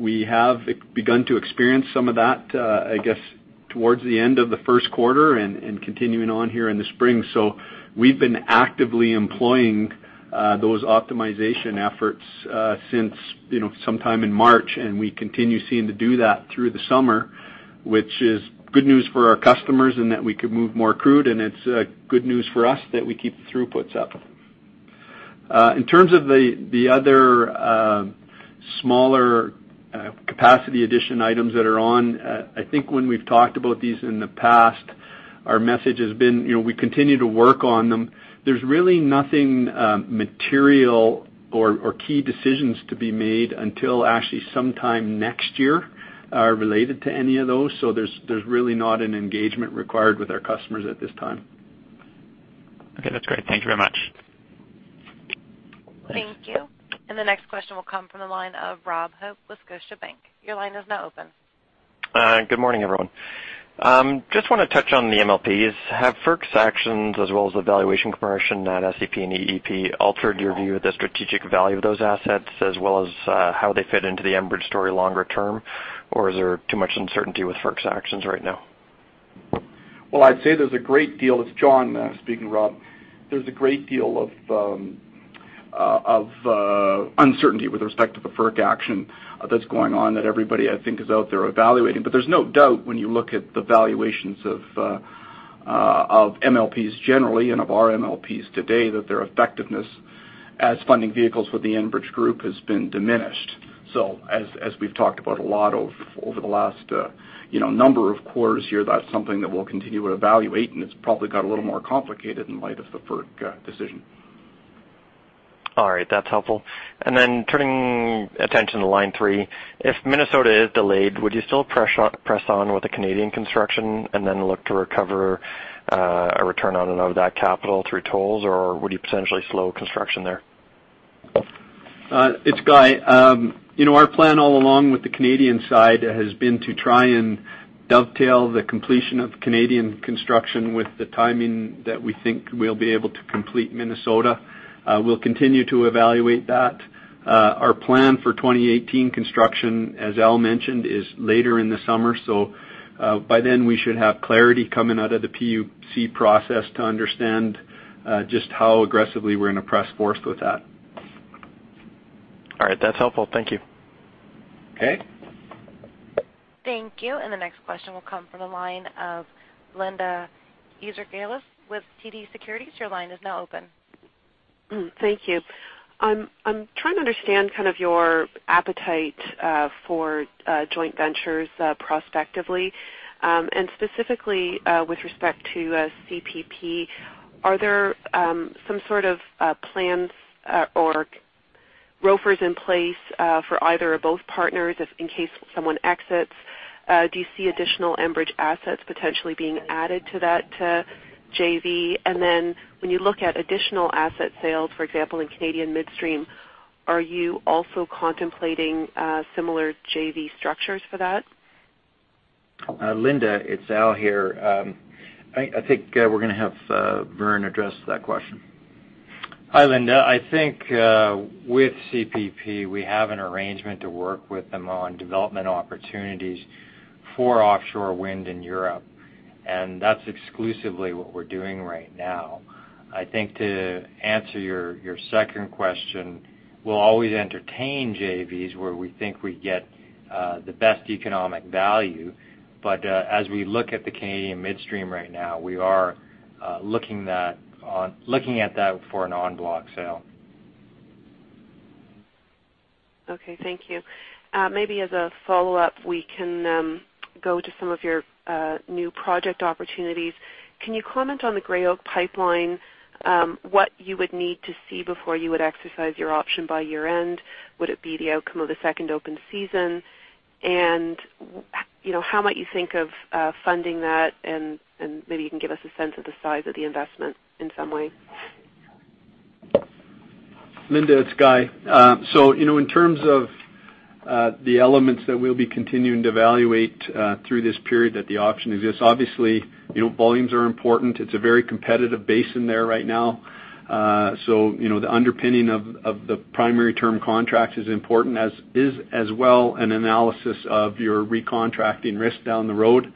We have begun to experience some of that, I guess, towards the end of the first quarter and continuing on here in the spring. We've been actively employing those optimization efforts since sometime in March, and we continue to do that through the summer, which is good news for our customers and that we could move more crude, and it's good news for us that we keep the throughputs up. In terms of the other smaller capacity addition items that are on, I think when we've talked about these in the past, our message has been we continue to work on them. There's really nothing material or key decisions to be made until actually sometime next year, related to any of those. There's really not an engagement required with our customers at this time. That's great. Thank you very much. Thanks. Thank you. The next question will come from the line of Robert Hope with Scotiabank. Your line is now open. Good morning, everyone. Just want to touch on the MLPs. Have FERC's actions, as well as the valuation comparison at SEP and EEP, altered your view of the strategic value of those assets, as well as how they fit into the Enbridge story longer term? Is there too much uncertainty with FERC's actions right now? Well, it's John speaking, Rob. There's a great deal of uncertainty with respect to the FERC action that's going on that everybody, I think, is out there evaluating. There's no doubt when you look at the valuations of MLPs generally and of our MLPs today, that their effectiveness as funding vehicles for the Enbridge group has been diminished. As we've talked about a lot over the last number of quarters here, that's something that we'll continue to evaluate, and it's probably got a little more complicated in light of the FERC decision. All right, that's helpful. Turning attention to Line 3. If Minnesota is delayed, would you still press on with the Canadian construction and then look to recover a return on and out of that capital through tolls? Would you potentially slow construction there? It's Guy. Our plan all along with the Canadian side has been to try and dovetail the completion of Canadian construction with the timing that we think we'll be able to complete Minnesota. We'll continue to evaluate that. Our plan for 2018 construction, as Al mentioned, is later in the summer, by then we should have clarity coming out of the PUC process to understand just how aggressively we're going to press forward with that. All right, that's helpful. Thank you. Okay. Thank you. The next question will come from the line of Linda Ezergailis with TD Securities. Your line is now open. Thank you. I'm trying to understand your appetite for joint ventures prospectively, specifically with respect to CPP. Are there some sort of plans or ROFRs in place for either or both partners, if in case someone exits? Do you see additional Enbridge assets potentially being added to that JV? When you look at additional asset sales, for example, in Canadian Midstream, are you also contemplating similar JV structures for that? Linda, it's Al here. I think we're going to have Vern address that question. Hi, Linda. I think with CPP, we have an arrangement to work with them on development opportunities for offshore wind in Europe, that's exclusively what we're doing right now. I think to answer your second question, we'll always entertain JVs where we think we get the best economic value. As we look at the Canadian Midstream right now, we are looking at that for an en bloc sale. Okay, thank you. Maybe as a follow-up, we can go to some of your new project opportunities. Can you comment on the Gray Oak Pipeline? What you would need to see before you would exercise your option by year-end? Would it be the outcome of the second open season? How might you think of funding that? Maybe you can give us a sense of the size of the investment in some way. Linda, it's Guy. In terms of the elements that we'll be continuing to evaluate through this period that the option exists, obviously, volumes are important. It's a very competitive basin there right now. The underpinning of the primary term contract is important, as is, as well, an analysis of your recontracting risk down the road.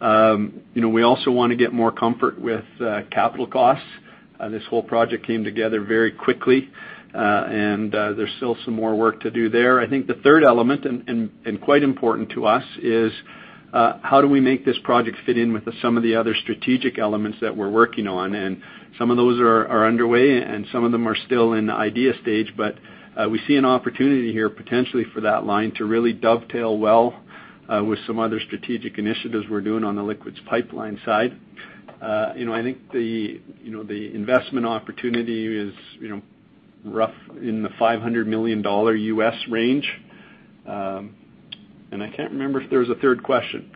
We also want to get more comfort with capital costs. This whole project came together very quickly, and there's still some more work to do there. I think the third element, and quite important to us, is how do we make this project fit in with some of the other strategic elements that we're working on? Some of those are underway, and some of them are still in the idea stage. We see an opportunity here, potentially for that line to really dovetail well with some other strategic initiatives we're doing on the Liquids Pipelines side. I think the investment opportunity is rough in the $500 million range. I can't remember if there was a third question.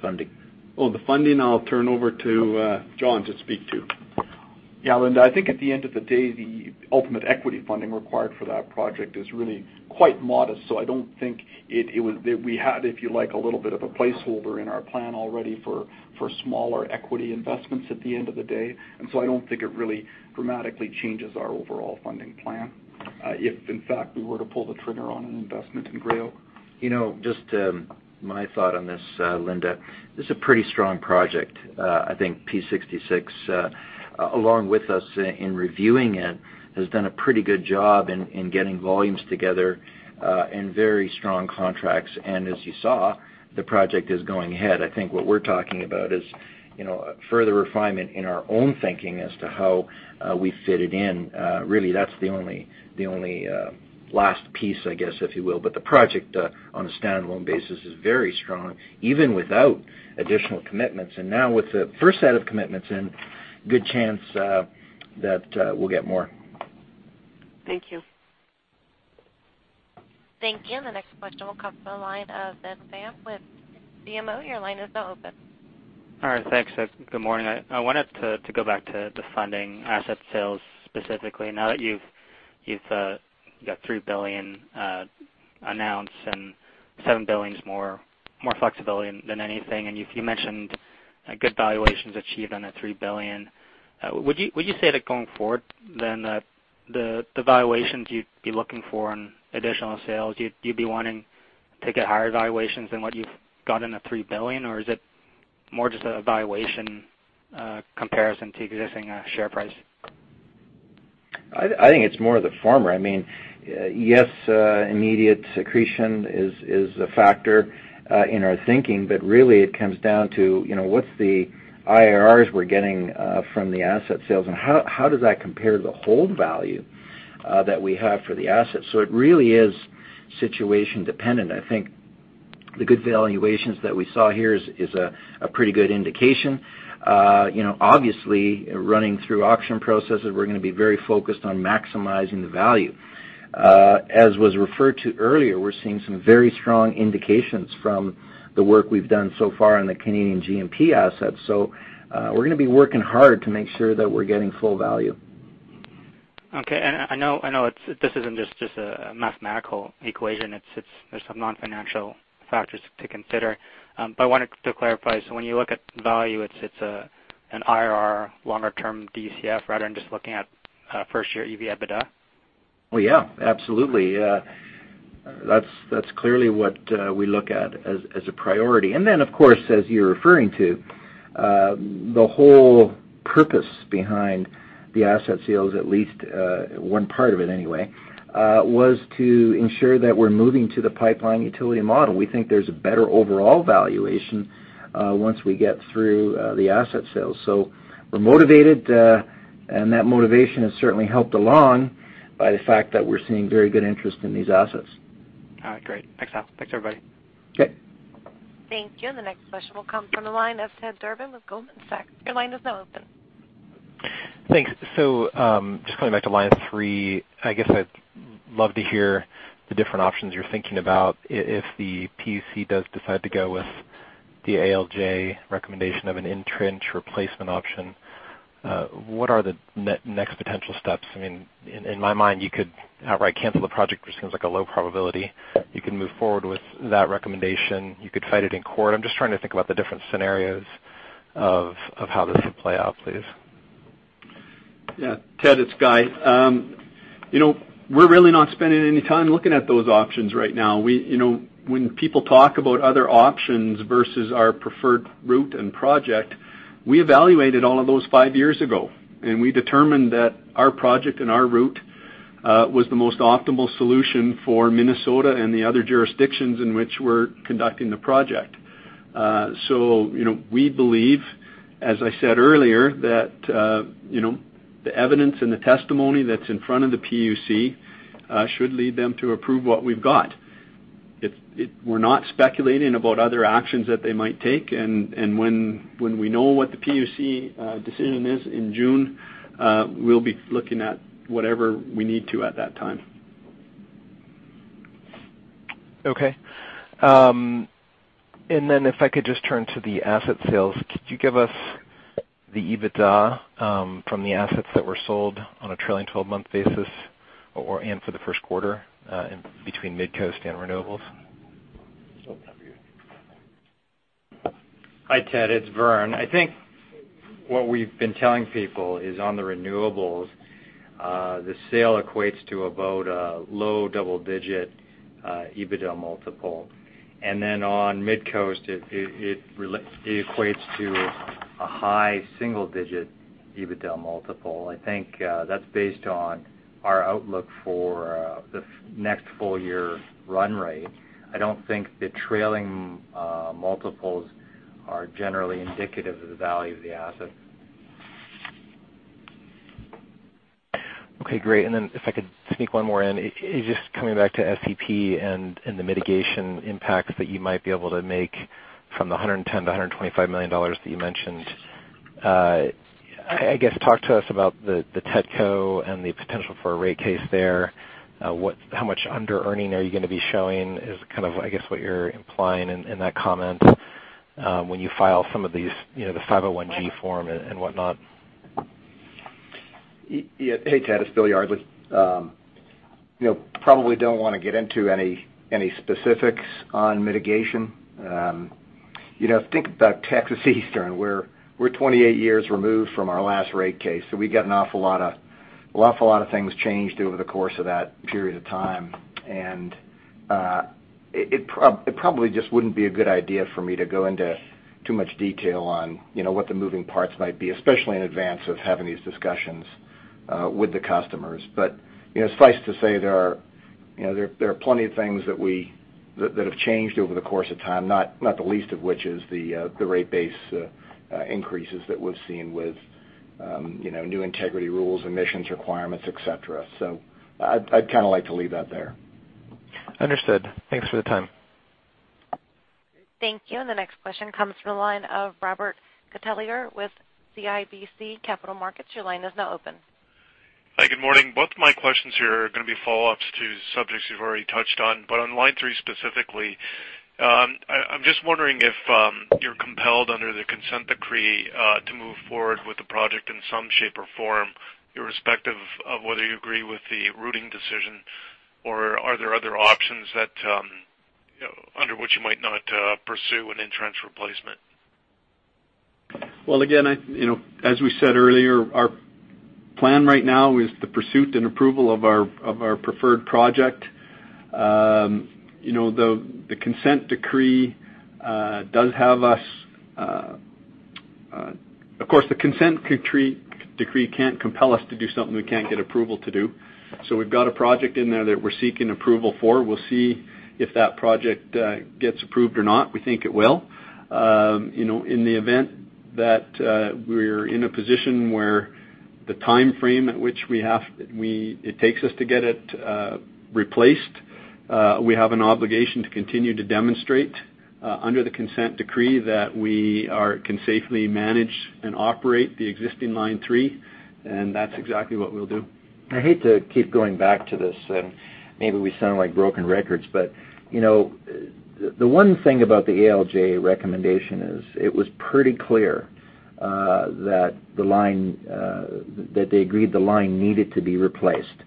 Funding. Oh, the funding, I'll turn over to John to speak to. Yeah, Linda, I think at the end of the day, the ultimate equity funding required for that project is really quite modest. I don't think we had, if you like, a little bit of a placeholder in our plan already for smaller equity investments at the end of the day. I don't think it really dramatically changes our overall funding plan, if in fact, we were to pull the trigger on an investment in Gray Oak. Just my thought on this, Linda. This is a pretty strong project. I think P66, along with us in reviewing it, has done a pretty good job in getting volumes together and very strong contracts. As you saw, the project is going ahead. I think what we're talking about is further refinement in our own thinking as to how we fit it in. Really, that's the only last piece, I guess, if you will. The project on a stand-alone basis is very strong, even without additional commitments. Now with the first set of commitments in, good chance that we'll get more. Thank you. Thank you. The next question will come from the line of Ben Pham with BMO. Your line is now open. All right. Thanks. Good morning. I wanted to go back to the funding asset sales specifically. Now that you've got 3 billion announced and 7 billion is more flexibility than anything. You mentioned good valuations achieved on that 3 billion. Would you say that going forward, the valuations you'd be looking for on additional sales, you'd be wanting to get higher valuations than what you've got in the 3 billion? Or is it more just a valuation comparison to existing share price? I think it's more the former. Yes, immediate accretion is a factor in our thinking. Really it comes down to what's the IRRs we're getting from the asset sales and how does that compare to the hold value that we have for the assets? It really is situation-dependent. I think the good valuations that we saw here is a pretty good indication. Obviously, running through auction processes, we're going to be very focused on maximizing the value. As was referred to earlier, we're seeing some very strong indications from the work we've done so far on the Canadian G&P assets. We're going to be working hard to make sure that we're getting full value. Okay. I know this isn't just a mathematical equation. There's some non-financial factors to consider. I wanted to clarify. When you look at value, it's an IRR longer-term DCF rather than just looking at first-year EBITDA? Well, yeah, absolutely. That's clearly what we look at as a priority. Of course, as you're referring to, the whole purpose behind the asset sales, at least one part of it anyway, was to ensure that we're moving to the pipeline utility model. We think there's a better overall valuation once we get through the asset sales. We're motivated, and that motivation has certainly helped along by the fact that we're seeing very good interest in these assets. All right, great. Thanks, Al. Thanks, everybody. Okay. Thank you. The next question will come from the line of Ted Durbin with Goldman Sachs. Your line is now open. Thanks. Just coming back to Line 3, I guess I'd love to hear the different options you're thinking about. If the PUC does decide to go with the ALJ recommendation of an in-trench replacement option, what are the next potential steps? In my mind, you could outright cancel the project, which seems like a low probability. You can move forward with that recommendation. You could fight it in court. I'm just trying to think about the different scenarios of how this would play out, please. Yeah. Ted, it's Guy. We're really not spending any time looking at those options right now. When people talk about other options versus our preferred route and project, we evaluated all of those five years ago, and we determined that our project and our route was the most optimal solution for Minnesota and the other jurisdictions in which we're conducting the project. We believe, as I said earlier, that the evidence and the testimony that's in front of the PUC should lead them to approve what we've got. We're not speculating about other actions that they might take, and when we know what the PUC decision is in June, we'll be looking at whatever we need to at that time. Okay. If I could just turn to the asset sales, could you give us the EBITDA from the assets that were sold on a trailing 12-month basis, and for the first quarter, between Midcoast and Renewables? That's for you. Hi, Ted. It's Vern. I think what we've been telling people is on the renewables, the sale equates to about a low double-digit EBITDA multiple. On Midcoast, it equates to a high single-digit EBITDA multiple. I think that's based on our outlook for the next full year run rate. I don't think the trailing multiples are generally indicative of the value of the asset. Okay, great. If I could sneak one more in. Just coming back to SEP and the mitigation impacts that you might be able to make from the 110 million to 125 million dollars that you mentioned. I guess, talk to us about the Texas Eastern and the potential for a rate case there. How much under-earning are you going to be showing is kind of, I guess, what you're implying in that comment when you file some of these, the FERC Form 501-G and whatnot. Hey, Ted. It's Bill Yardley. Probably don't want to get into any specifics on mitigation. Think about Texas Eastern, we're 28 years removed from our last rate case. We got an awful lot of things changed over the course of that period of time. It probably just wouldn't be a good idea for me to go into too much detail on what the moving parts might be, especially in advance of having these discussions with the customers. Suffice to say, there are plenty of things that have changed over the course of time, not the least of which is the rate base increases that we've seen with new integrity rules, emissions requirements, et cetera. I'd like to leave that there. Understood. Thanks for the time. Thank you. The next question comes from the line of Robert Catellier with CIBC Capital Markets. Your line is now open. Hi, good morning. Both my questions here are going to be follow-ups to subjects you've already touched on. On Line 3 specifically, I'm just wondering if you're compelled under the consent decree to move forward with the project in some shape or form, irrespective of whether you agree with the routing decision, or are there other options under which you might not pursue an in-trench replacement? Well, again, as we said earlier, our plan right now is the pursuit and approval of our preferred project. Of course, the consent decree can't compel us to do something we can't get approval to do. We've got a project in there that we're seeking approval for. We'll see if that project gets approved or not. We think it will. In the event that we're in a position where the timeframe at which it takes us to get it replaced, we have an obligation to continue to demonstrate under the consent decree that we can safely manage and operate the existing Line 3, and that's exactly what we'll do. I hate to keep going back to this, and maybe we sound like broken records, the one thing about the ALJ recommendation is it was pretty clear that they agreed the line needed to be replaced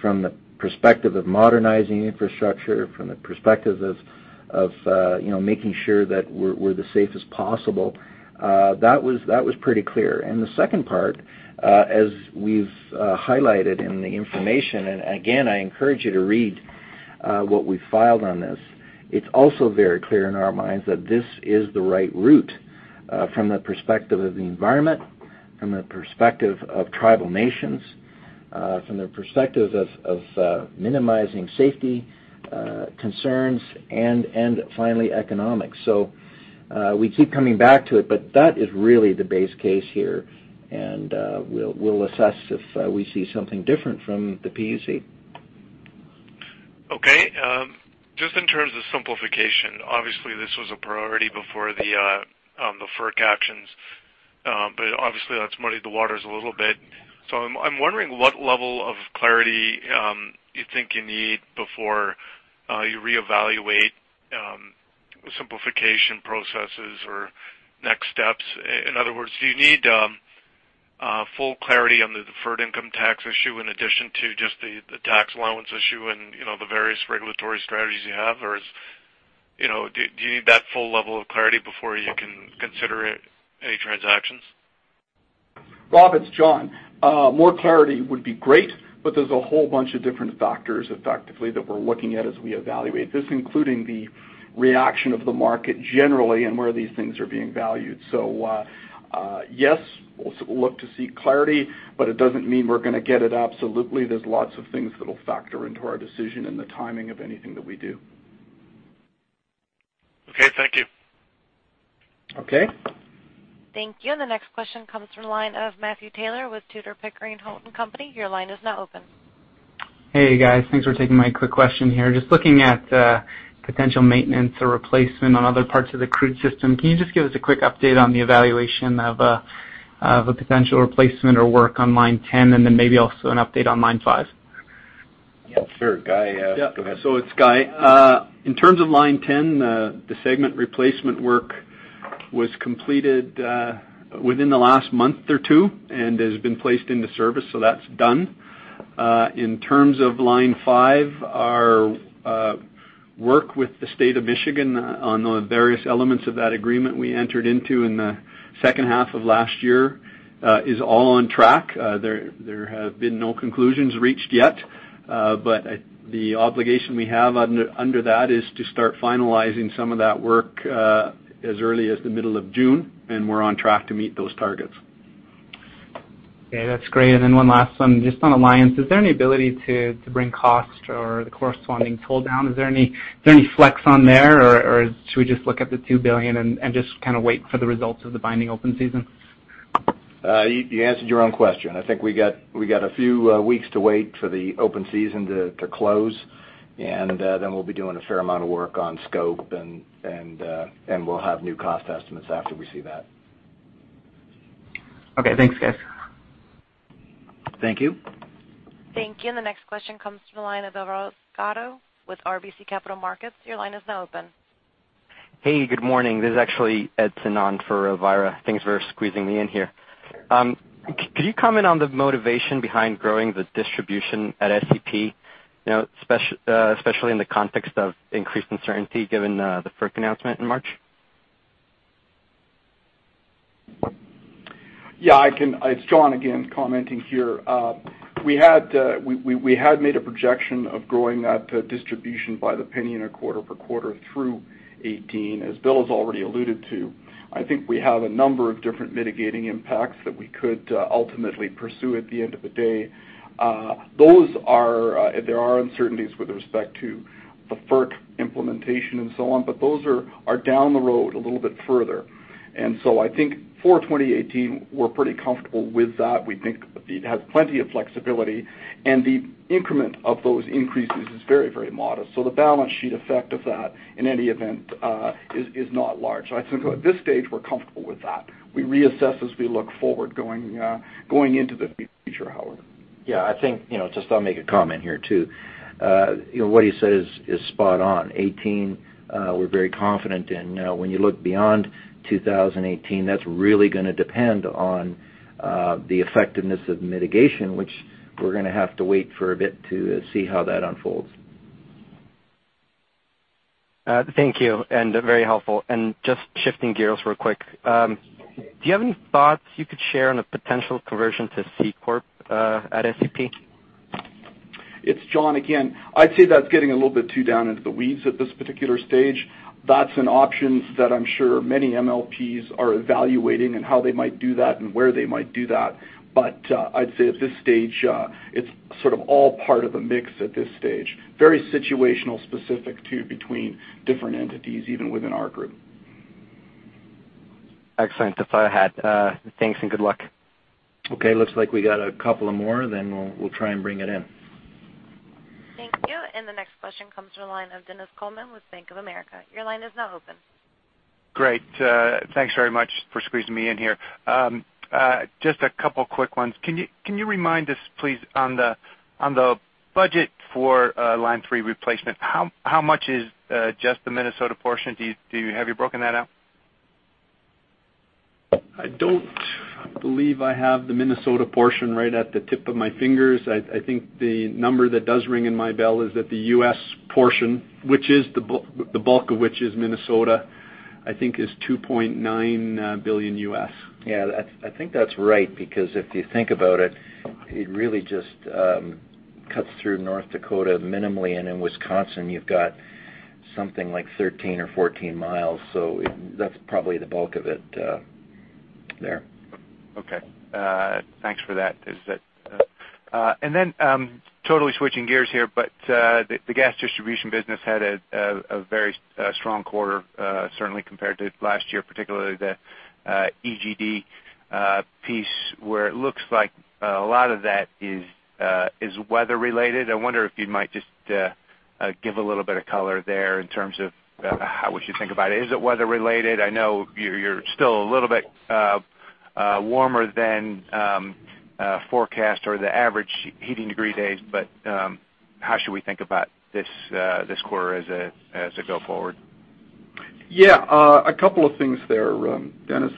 from the perspective of modernizing infrastructure, from the perspective of making sure that we're the safest possible. That was pretty clear. The second part, as we've highlighted in the information, and again, I encourage you to read what we filed on this, it's also very clear in our minds that this is the right route from the perspective of the environment, from the perspective of tribal nations, from the perspective of minimizing safety concerns and finally, economics. We keep coming back to it, that is really the base case here, we'll assess if we see something different from the PUC. Okay. Just in terms of simplification, obviously, this was a priority before the FERC actions. Obviously, that's muddied the waters a little bit. I'm wondering what level of clarity you think you need before you reevaluate simplification processes or next steps. In other words, do you need full clarity on the deferred income tax issue in addition to just the tax allowance issue and the various regulatory strategies you have, or do you need that full level of clarity before you can consider any transactions? Rob, it's John. More clarity would be great, there's a whole bunch of different factors effectively that we're looking at as we evaluate this, including the reaction of the market generally and where these things are being valued. Yes, we'll look to seek clarity, it doesn't mean we're going to get it absolutely. There's lots of things that'll factor into our decision and the timing of anything that we do. Okay. Thank you. Okay. Thank you. The next question comes from the line of Matthew Taylor with Tudor, Pickering, Holt & Co. Your line is now open. Hey, guys. Thanks for taking my quick question here. Just looking at potential maintenance or replacement on other parts of the crude system. Can you just give us a quick update on the evaluation of a potential replacement or work on Line 10, and then maybe also an update on Line 5? Yeah, sure. Guy, go ahead. Yeah. It's Guy. In terms of Line 10, the segment replacement work was completed within the last month or two and has been placed into service, so that's done. In terms of Line 5, our work with the State of Michigan on the various elements of that agreement we entered into in the second half of last year is all on track. There have been no conclusions reached yet. The obligation we have under that is to start finalizing some of that work as early as the middle of June, and we're on track to meet those targets. Okay, that's great. Then one last one, just on Alliance. Is there any ability to bring cost or the corresponding toll down? Is there any flex on there, or should we just look at the 2 billion and just kind of wait for the results of the binding open season? You answered your own question. I think we got a few weeks to wait for the open season to close, then we'll be doing a fair amount of work on scope and we'll have new cost estimates after we see that. Okay, thanks, guys. Thank you. Thank you. The next question comes from the line of Robert Kwan with RBC Capital Markets. Your line is now open. Hey, good morning. This is actually Ed Sienchan for Robert Kwan. Thanks for squeezing me in here. Could you comment on the motivation behind growing the distribution at SEP, especially in the context of increased uncertainty given the FERC announcement in March? It's John again commenting here. We had made a projection of growing that distribution by the penny in a quarter per quarter through 2018. As Bill has already alluded to, I think we have a number of different mitigating impacts that we could ultimately pursue at the end of the day. There are uncertainties with respect to the FERC implementation and so on, but those are down the road a little bit further. I think for 2018, we're pretty comfortable with that. We think it has plenty of flexibility, and the increment of those increases is very modest. The balance sheet effect of that, in any event, is not large. I think at this stage, we're comfortable with that. We reassess as we look forward going into the future, however. I think, just I'll make a comment here, too. What he said is spot on. 2018, we're very confident in. When you look beyond 2018, that's really going to depend on the effectiveness of mitigation, which we're going to have to wait for a bit to see how that unfolds. Thank you, very helpful. Just shifting gears real quick. Do you have any thoughts you could share on a potential conversion to C Corp at SEP? It's John again. I'd say that's getting a little bit too down into the weeds at this particular stage. That's an option that I'm sure many MLPs are evaluating and how they might do that and where they might do that. I'd say at this stage, it's sort of all part of the mix at this stage. Very situational specific, too, between different entities, even within our group. Excellent. That's all I had. Thanks. Good luck. Okay, looks like we got a couple of more. We'll try and bring it in. Thank you. The next question comes from the line of Dennis Coleman with Bank of America. Your line is now open. Great. Thanks very much for squeezing me in here. Just a couple quick ones. Can you remind us, please, on the budget for Line 3 replacement, how much is just the Minnesota portion? Have you broken that out? I don't believe I have the Minnesota portion right at the tip of my fingers. I think the number that does ring in my bell is that the U.S. portion, the bulk of which is Minnesota, I think is $2.9 billion U.S. I think that's right, because if you think about it really just cuts through North Dakota minimally, and in Wisconsin, you've got something like 13 or 14 miles. That's probably the bulk of it there. Okay. Thanks for that. Totally switching gears here, but the gas distribution business had a very strong quarter, certainly compared to last year, particularly the EGD piece, where it looks like a lot of that is weather related. I wonder if you might just give a little bit of color there in terms of how we should think about it. Is it weather related? I know you're still a little bit warmer than forecast or the average heating degree days, but how should we think about this quarter as a go forward? A couple of things there, Dennis.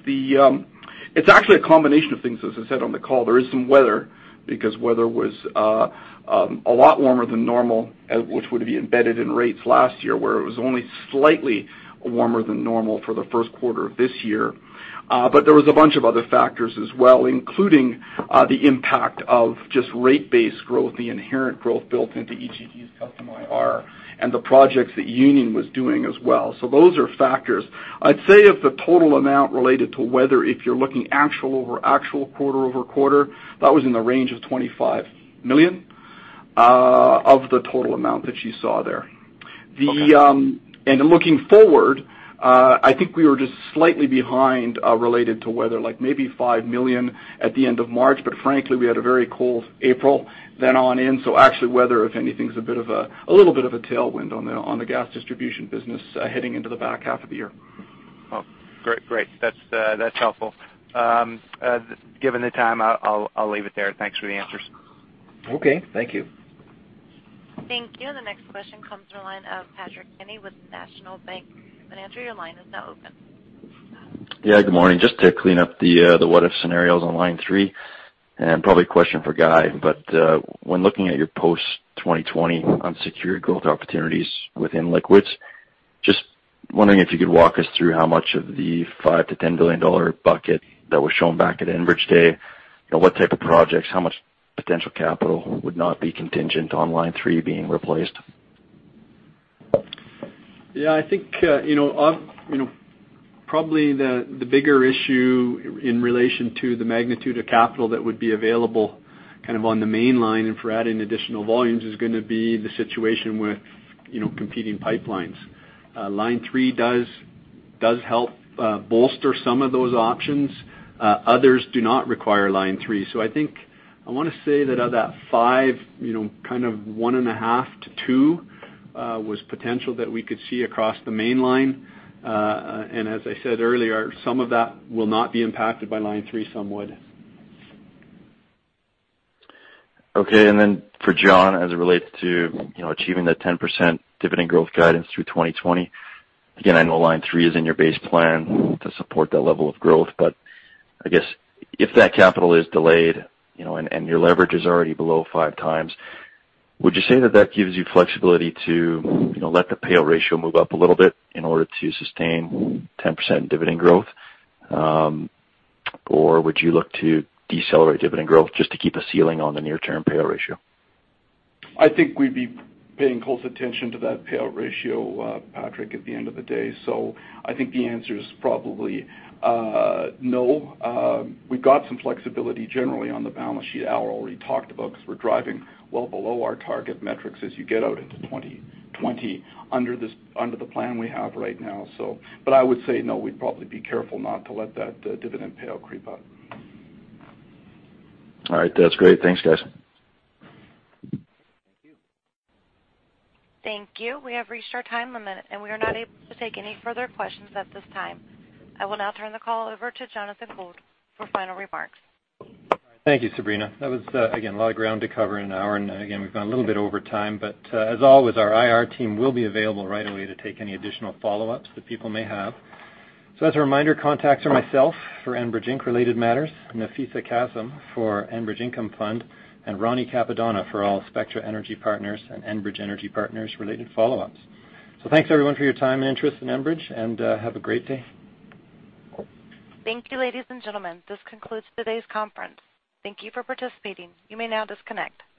It's actually a combination of things, as I said on the call. There is some weather, because weather was a lot warmer than normal, which would be embedded in rates last year, where it was only slightly warmer than normal for the first quarter of this year. There was a bunch of other factors as well, including the impact of just rate-based growth, the inherent growth built into EGD's custom IR, and the projects that Union was doing as well. Those are factors. I'd say if the total amount related to weather, if you're looking actual over actual, quarter-over-quarter, that was in the range of 25 million. Of the total amount that you saw there. Okay. Looking forward, I think we were just slightly behind related to weather, maybe 5 million at the end of March. Frankly, we had a very cold April then on in, so actually weather, if anything, is a little bit of a tailwind on the gas distribution business heading into the back half of the year. Oh, great. That's helpful. Given the time, I'll leave it there. Thanks for the answers. Okay. Thank you. Thank you. The next question comes from the line of Patrick Kenny with National Bank. Patrick, your line is now open. Good morning. Just to clean up the what-if scenarios on Line 3, probably a question for Guy. When looking at your post-2020 unsecured growth opportunities within Liquids, just wondering if you could walk us through how much of the 5 billion to 10 billion dollar bucket that was shown back at Enbridge Day, what type of projects, how much potential capital would not be contingent on Line 3 being replaced? I think, probably the bigger issue in relation to the magnitude of capital that would be available on the Mainline and for adding additional volumes is going to be the situation with competing pipelines. Line 3 does help bolster some of those options. Others do not require Line 3. I think, I want to say that of that five, one and a half to two was potential that we could see across the Mainline. As I said earlier, some of that will not be impacted by Line 3, some would. Okay. For John, as it relates to achieving that 10% dividend growth guidance through 2020. Again, I know Line 3 is in your base plan to support that level of growth, I guess if that capital is delayed, your leverage is already below five times, would you say that that gives you flexibility to let the payout ratio move up a little bit in order to sustain 10% dividend growth? Or would you look to decelerate dividend growth just to keep a ceiling on the near-term payout ratio? I think we'd be paying close attention to that payout ratio, Patrick, at the end of the day. I think the answer is probably no. We've got some flexibility generally on the balance sheet. Al already talked about, because we're driving well below our target metrics as you get out into 2020 under the plan we have right now. I would say, no, we'd probably be careful not to let that dividend payout creep up. All right. That's great. Thanks, guys. Thank you. Thank you. We have reached our time limit. We are not able to take any further questions at this time. I will now turn the call over to Jonathan Gould for final remarks. Thank you, Sabrina. That was, again, a lot of ground to cover in an hour. Again, we've gone a little bit over time. As always, our IR team will be available right away to take any additional follow-ups that people may have. As a reminder, contacts are myself for Enbridge Inc.-related matters, Nafeesa Kassam for Enbridge Income Fund, and Roni Cappadonna for all Spectra Energy Partners and Enbridge Energy Partners related follow-ups. Thanks everyone for your time and interest in Enbridge, and have a great day. Thank you, ladies and gentlemen. This concludes today's conference. Thank you for participating. You may now disconnect.